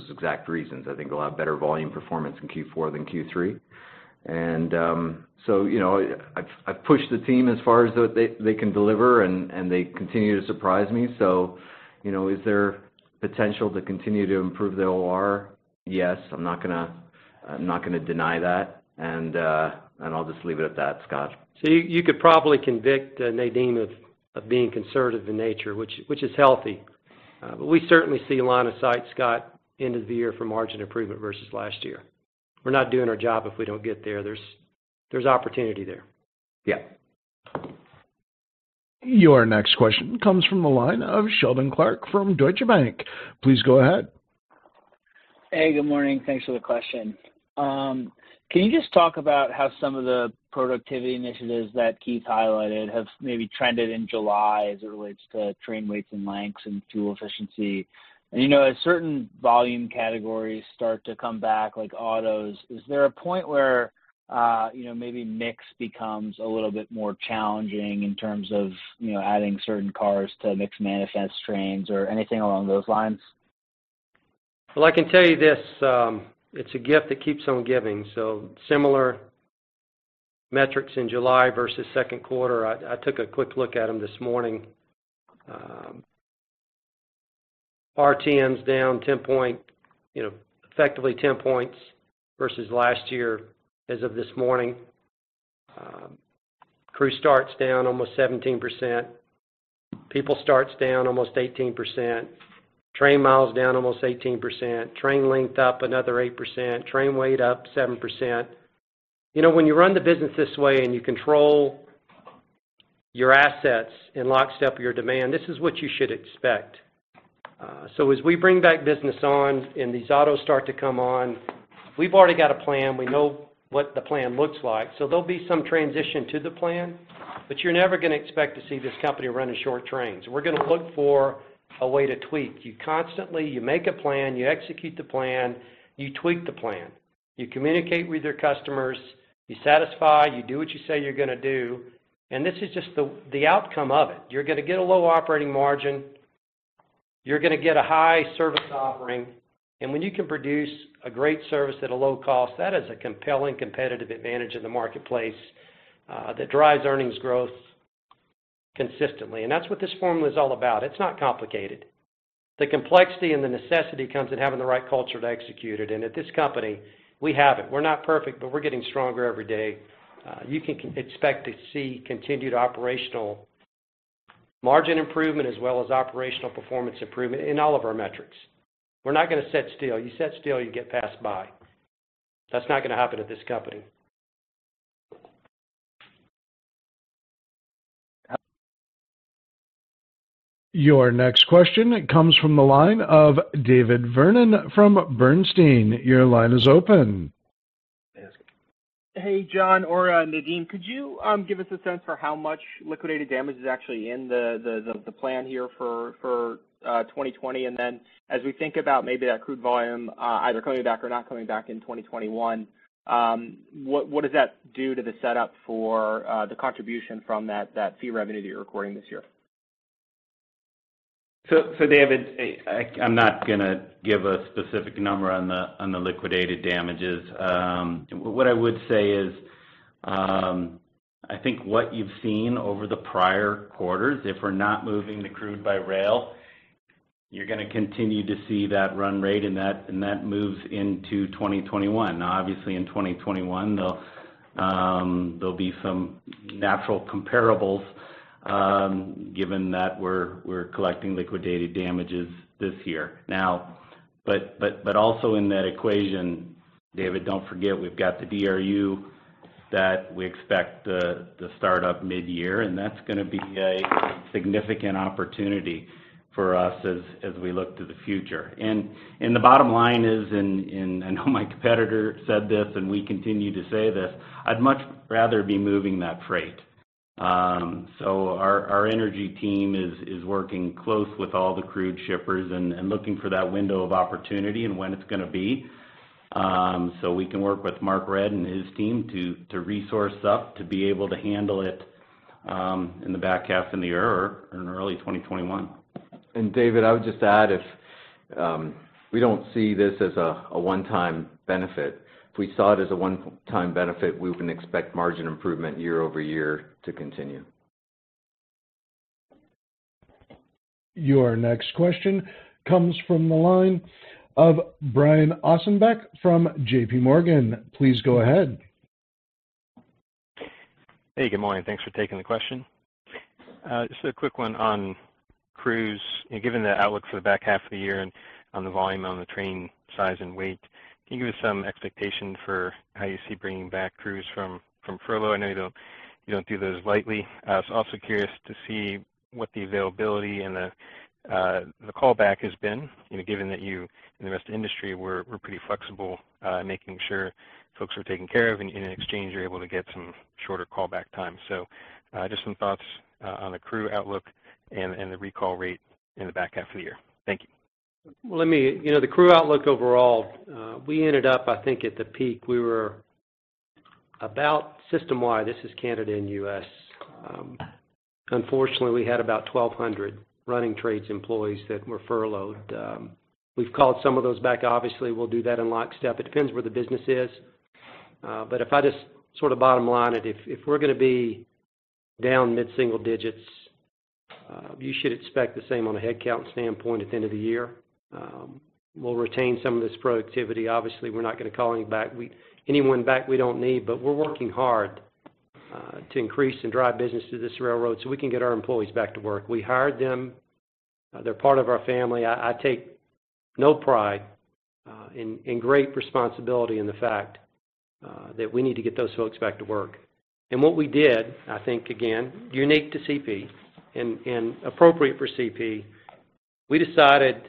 Speaker 5: exact reasons. I think we'll have better volume performance in Q4 than Q3. You know, I've pushed the team as far as they can deliver and they continue to surprise me. You know, is there potential to continue to improve the OR? Yes. I'm not gonna deny that. I'll just leave it at that, Scott.
Speaker 3: You could probably convict Nadeem of being conservative in nature, which is healthy. We certainly see a line of sight, Scott, end of the year for margin improvement versus last year. We're not doing our job if we don't get there. There's opportunity there.
Speaker 5: Yeah.
Speaker 1: Your next question comes from the line of Seldon Clarke from Deutsche Bank. Please go ahead.
Speaker 17: Hey, good morning. Thanks for the question. Can you just talk about how some of the productivity initiatives that Keith highlighted have maybe trended in July as it relates to train weights and lengths and fuel efficiency? You know, as certain volume categories start to come back, like autos, is there a point where, you know, maybe mix becomes a little bit more challenging in terms of, you know, adding certain cars to mixed manifest trains or anything along those lines?
Speaker 3: Well, I can tell you this, it's a gift that keeps on giving. Similar metrics in July versus second quarter, I took a quick look at them this morning. RTMs down 10, you know, effectively 10 points versus last year as of this morning. Crew starts down almost 17%. Power starts down almost 18%. Train miles down almost 18%. Train length up another 8%. Train weight up 7%. You know, when you run the business this way and you control your assets in lockstep of your demand, this is what you should expect. As we bring back business on and these autos start to come on, we've already got a plan. We know what the plan looks like. There'll be some transition to the plan. You're never gonna expect to see this company running short trains. We're gonna look for a way to tweak. You constantly make a plan, you execute the plan, you tweak the plan. You communicate with your customers, you satisfy, you do what you say you're gonna do, this is just the outcome of it. You're gonna get a low operating margin. You're gonna get a high service offering. When you can produce a great service at a low cost, that is a compelling competitive advantage in the marketplace that drives earnings growth consistently. That's what this formula is all about. It's not complicated. The complexity and the necessity comes in having the right culture to execute it. At this company, we have it. We're not perfect. We're getting stronger every day. You can expect to see continued operational margin improvement as well as operational performance improvement in all of our metrics. We're not gonna set still. You set still, you get passed by. That's not gonna happen at this company.
Speaker 1: Your next question comes from the line of David Vernon from Bernstein. Your line is open.
Speaker 18: John or Nadeem, could you give us a sense for how much liquidated damages is actually in the plan here for 2020? As we think about maybe that crude volume, either coming back or not coming back in 2021, what does that do to the setup for the contribution from that fee revenue that you're recording this year?
Speaker 4: David, I'm not gonna give a specific number on the liquidated damages. What I would say is, I think what you've seen over the prior quarters, if we're not moving the crude by rail, you're gonna continue to see that run rate and that moves into 2021. Obviously, in 2021, there'll be some natural comparables, given that we're collecting liquidated damages this year. Also in that equation, David, don't forget we've got the DRU that we expect the start of mid-year, and that's gonna be a significant opportunity for us as we look to the future. The bottom line is, I know my competitor said this, we continue to say this, I'd much rather be moving that freight. Our energy team is working close with all the crude shippers and looking for that window of opportunity and when it's gonna be, so we can work with Mark Redd and his team to resource up to be able to handle it in the back half of the year or in early 2021.
Speaker 5: David, I would just add if we don't see this as a one-time benefit. If we saw it as a one-time benefit, we wouldn't expect margin improvement year-over-year to continue.
Speaker 1: Your next question comes from the line of Brian Ossenbeck from JPMorgan. Please go ahead.
Speaker 19: Hey, good morning. Thanks for taking the question. Just a quick one on crews. Given the outlook for the back half of the year and on the volume on the train size and weight, can you give us some expectation for how you see bringing back crews from furlough? I know you don't do those lightly. I was also curious to see what the availability and the callback has been, you know, given that you and the rest of industry were pretty flexible, making sure folks were taken care of, and in exchange, you're able to get some shorter callback time. Just some thoughts on the crew outlook and the recall rate in the back half of the year. Thank you.
Speaker 3: You know, the crew outlook overall, we ended up, I think at the peak, we were about system-wide. This is Canada and U.S. Unfortunately, we had about 1,200 running trades employees that were furloughed. We've called some of those back. Obviously, we'll do that in lockstep. It depends where the business is. If I just sort of bottom line it, if we're gonna be down mid-single digits, you should expect the same on a headcount standpoint at the end of the year. We'll retain some of this productivity. Obviously, we're not gonna call anyone back we don't need, but we're working hard to increase and drive business to this railroad so we can get our employees back to work. We hired them. They're part of our family. I take no pride in great responsibility in the fact that we need to get those folks back to work. What we did, I think, again, unique to CP and appropriate for CP, we decided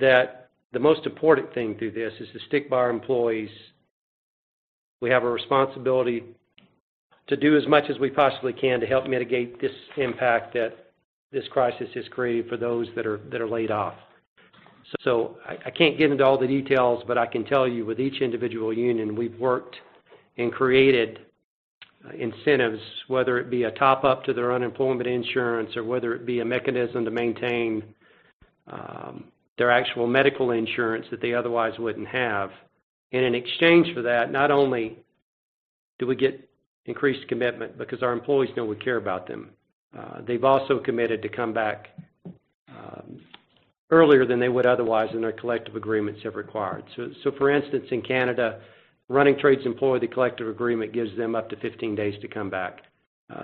Speaker 3: that the most important thing through this is to stick by our employees. We have a responsibility to do as much as we possibly can to help mitigate this impact that this crisis has created for those that are laid off. I can't get into all the details, but I can tell you with each individual union, we've worked and created incentives, whether it be a top-up to their unemployment insurance or whether it be a mechanism to maintain their actual medical insurance that they otherwise wouldn't have. In exchange for that, not only do we get increased commitment because our employees know we care about them, they've also committed to come back earlier than they would otherwise than their collective agreements have required. For instance, in Canada, running trades employee, the collective agreement gives them up to 15 days to come back.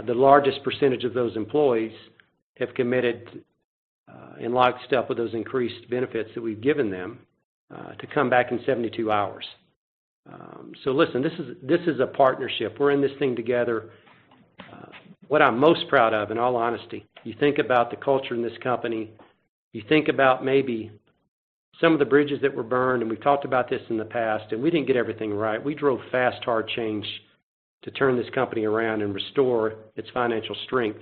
Speaker 3: The largest percentage of those employees have committed in lockstep with those increased benefits that we've given them, to come back in 72 hours. Listen, this is a partnership. We're in this thing together. What I'm most proud of, in all honesty, you think about the culture in this company, you think about maybe some of the bridges that were burned, we've talked about this in the past, we didn't get everything right. We drove fast, hard change to turn this company around and restore its financial strength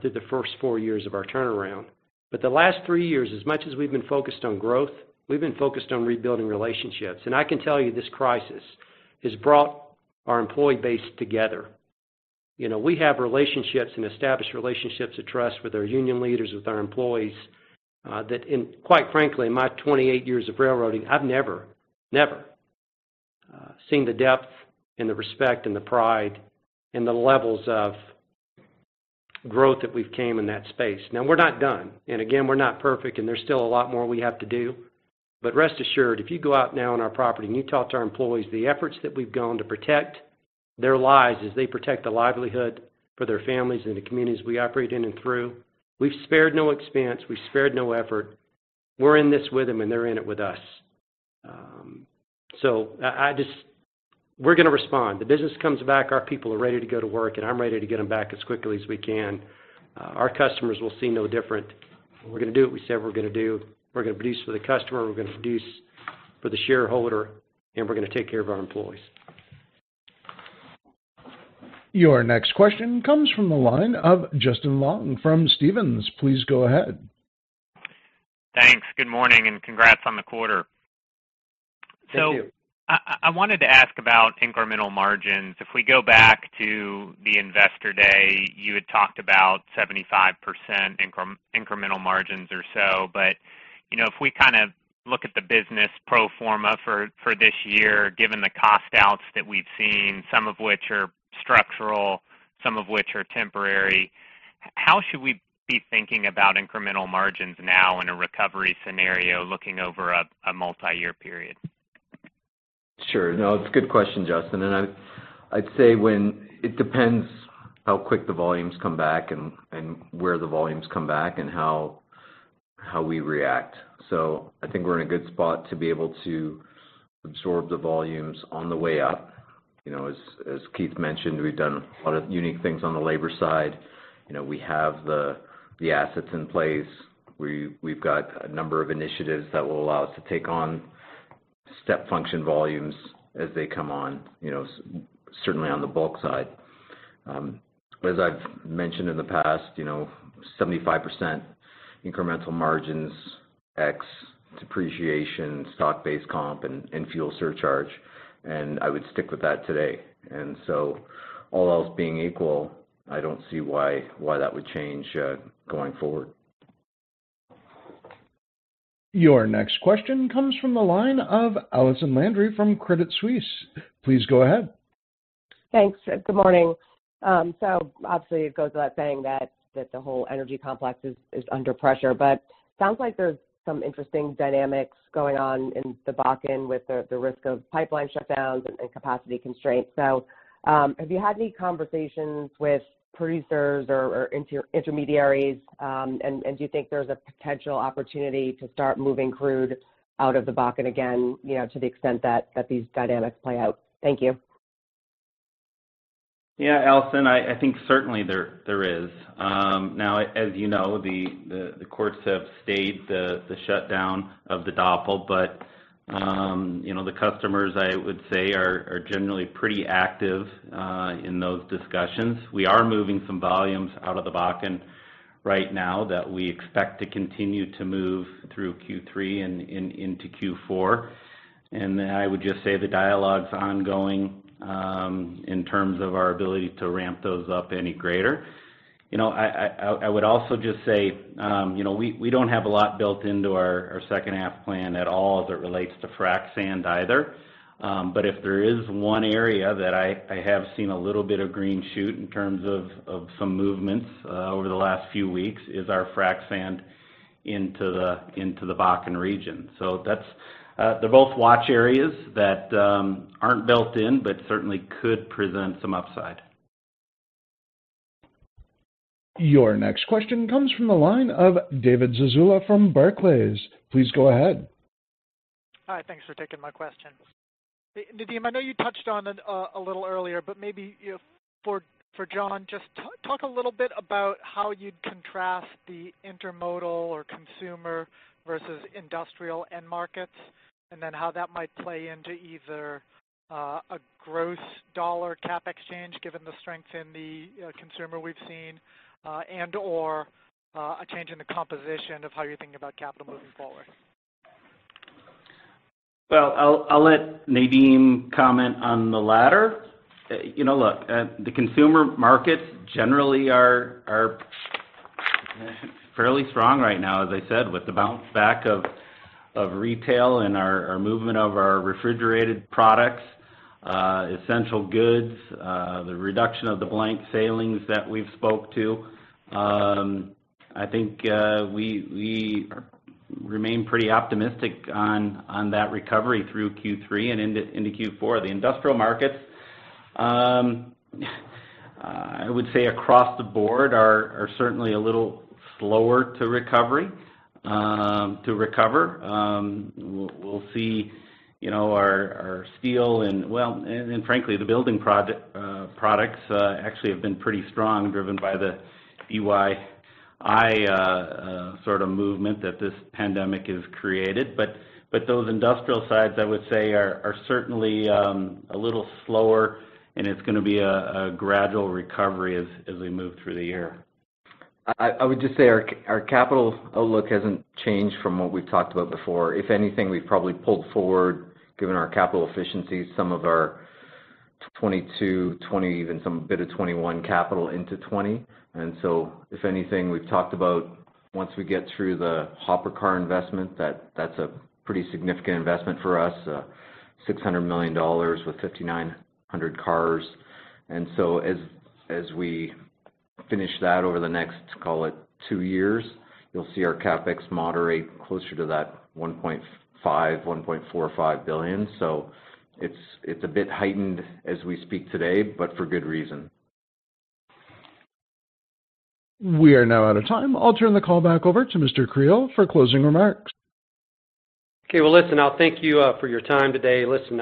Speaker 3: through the first four years of our turnaround. The last three years, as much as we've been focused on growth, we've been focused on rebuilding relationships. I can tell you this crisis has brought our employee base together. You know, we have relationships and established relationships of trust with our union leaders, with our employees, that and quite frankly, in my 28 years of railroading, I've never seen the depth and the respect and the pride and the levels of growth that we've came in that space. We're not done. Again, we're not perfect, and there's still a lot more we have to do. Rest assured, if you go out now on our property and you talk to our employees, the efforts that we've gone to protect their lives as they protect the livelihood for their families and the communities we operate in and through, we've spared no expense, we've spared no effort. We're in this with them, and they're in it with us. We're gonna respond. The business comes back, our people are ready to go to work, and I'm ready to get them back as quickly as we can. Our customers will see no different. We're gonna do what we said we're gonna do. We're gonna produce for the customer, we're gonna produce for the shareholder, and we're gonna take care of our employees.
Speaker 1: Your next question comes from the line of Justin Long from Stephens. Please go ahead.
Speaker 20: Thanks. Good morning. Congrats on the quarter.
Speaker 3: Thank you.
Speaker 20: I wanted to ask about incremental margins. If we go back to the Investor Day, you had talked about 75% incremental margins or so. You know, if we kind of look at the business pro forma for this year, given the cost outs that we've seen, some of which are structural, some of which are temporary, how should we be thinking about incremental margins now in a recovery scenario looking over a multi-year period?
Speaker 5: Sure. No, it's a good question, Justin. I'd say it depends how quick the volumes come back and where the volumes come back and how we react. I think we're in a good spot to be able to absorb the volumes on the way up. You know, as Keith mentioned, we've done a lot of unique things on the labor side. You know, we have the assets in place. We've got a number of initiatives that will allow us to take on step function volumes as they come on, you know, certainly on the bulk side. As I've mentioned in the past, you know, 75% incremental margins, ex depreciation, stock-based comp, and fuel surcharge, and I would stick with that today. All else being equal, I don't see why that would change going forward.
Speaker 1: Your next question comes from the line of Allison Landry from Credit Suisse. Please go ahead.
Speaker 21: Thanks. Good morning. Obviously it goes without saying that the whole energy complex is under pressure. Sounds like there's some interesting dynamics going on in the Bakken with the risk of pipeline shutdowns and capacity constraints. Have you had any conversations with producers or inter-intermediaries? And do you think there's a potential opportunity to start moving crude out of the Bakken again, you know, to the extent that these dynamics play out? Thank you.
Speaker 3: Yeah, Allison, I think certainly there is. Now as you know, the courts have stayed the shutdown of the DAPL. You know, the customers, I would say, are generally pretty active in those discussions. We are moving some volumes out of the Bakken right now that we expect to continue to move through Q3 and into Q4. I would just say the dialogue's ongoing in terms of our ability to ramp those up any greater. You know, I would also just say, you know, we don't have a lot built into our second half plan at all as it relates to frac sand either. If there is one area that I have seen a little bit of green shoot in terms of some movements over the last few weeks, is our frac sand into the Bakken region. They're both watch areas that aren't built in, but certainly could present some upside.
Speaker 1: Your next question comes from the line of David Zazula from Barclays. Please go ahead.
Speaker 22: Hi. Thanks for taking my question. Nadeem, I know you touched on it a little earlier, maybe, you know, for John, just talk a little bit about how you'd contrast the intermodal or consumer versus industrial end markets, then how that might play into either a gross dollar CapEx change, given the strength in the consumer we've seen, and/or a change in the composition of how you're thinking about capital moving forward?
Speaker 3: Well, I'll let Nadeem comment on the latter. You know, look, the consumer markets generally are fairly strong right now, as I said, with the bounce back of retail and our movement of our refrigerated products, essential goods, the reduction of the blank sailings that we've spoke to. I think we remain pretty optimistic on that recovery through Q3 and into Q4. The industrial markets, I would say across the board are certainly a little slower to recover. We'll see, you know, our well, and frankly, the building products actually have been pretty strong, driven by the DIY sort of movement that this pandemic has created. Those industrial sides, I would say, are certainly a little slower, and it's gonna be a gradual recovery as we move through the year.
Speaker 5: I would just say our capital outlook hasn't changed from what we've talked about before. If anything, we've probably pulled forward, given our capital efficiency, some of our 2022, 2020, even some bit of 2021 capital into 2020. If anything, we've talked about once we get through the hopper car investment, that's a pretty significant investment for us. 600 million dollars with 5,900 cars. As we finish that over the next, call it, two years, you'll see our CapEx moderate closer to that CAD 1.5 billion, CAD 1.4 billion or CAD 1.5 billion. It's a bit heightened as we speak today, but for good reason.
Speaker 1: We are now out of time. I'll turn the call back over to Mr. Creel for closing remarks.
Speaker 3: Okay. Well, listen, I'll thank you for your time today. Listen,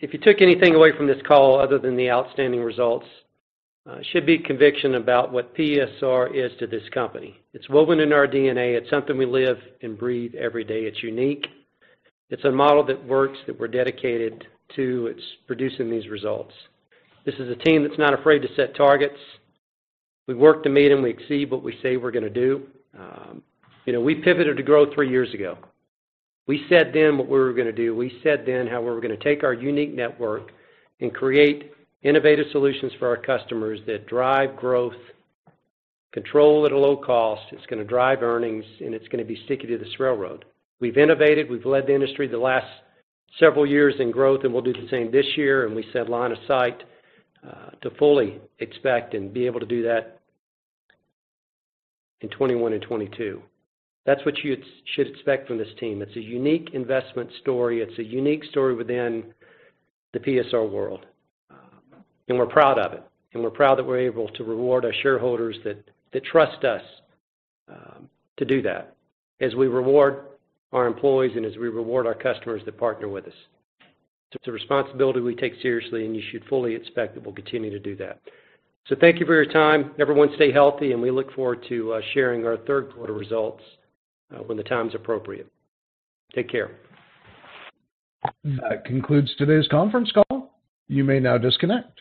Speaker 3: if you took anything away from this call other than the outstanding results, it should be conviction about what PSR is to this company. It's woven in our DNA. It's something we live and breathe every day. It's unique. It's a model that works, that we're dedicated to. It's producing these results. This is a team that's not afraid to set targets. We work to meet them. We exceed what we say we're gonna do. You know, we pivoted to growth three years ago. We said then what we were gonna do. We said then how we were gonna take our unique network and create innovative solutions for our customers that drive growth, control it at a low cost. It's gonna drive earnings, and it's gonna be sticky to this railroad. We've innovated. We've led the industry the last several years in growth, we'll do the same this year, we said line of sight to fully expect and be able to do that in 2021 and 2022. That's what you should expect from this team. It's a unique investment story. It's a unique story within the PSR world. We're proud of it, we're proud that we're able to reward our shareholders that trust us to do that, as we reward our employees and as we reward our customers that partner with us. It's a responsibility we take seriously, you should fully expect that we'll continue to do that. Thank you for your time. Everyone stay healthy, we look forward to sharing our third quarter results when the time is appropriate. Take care.
Speaker 1: That concludes today's conference call. You may now disconnect.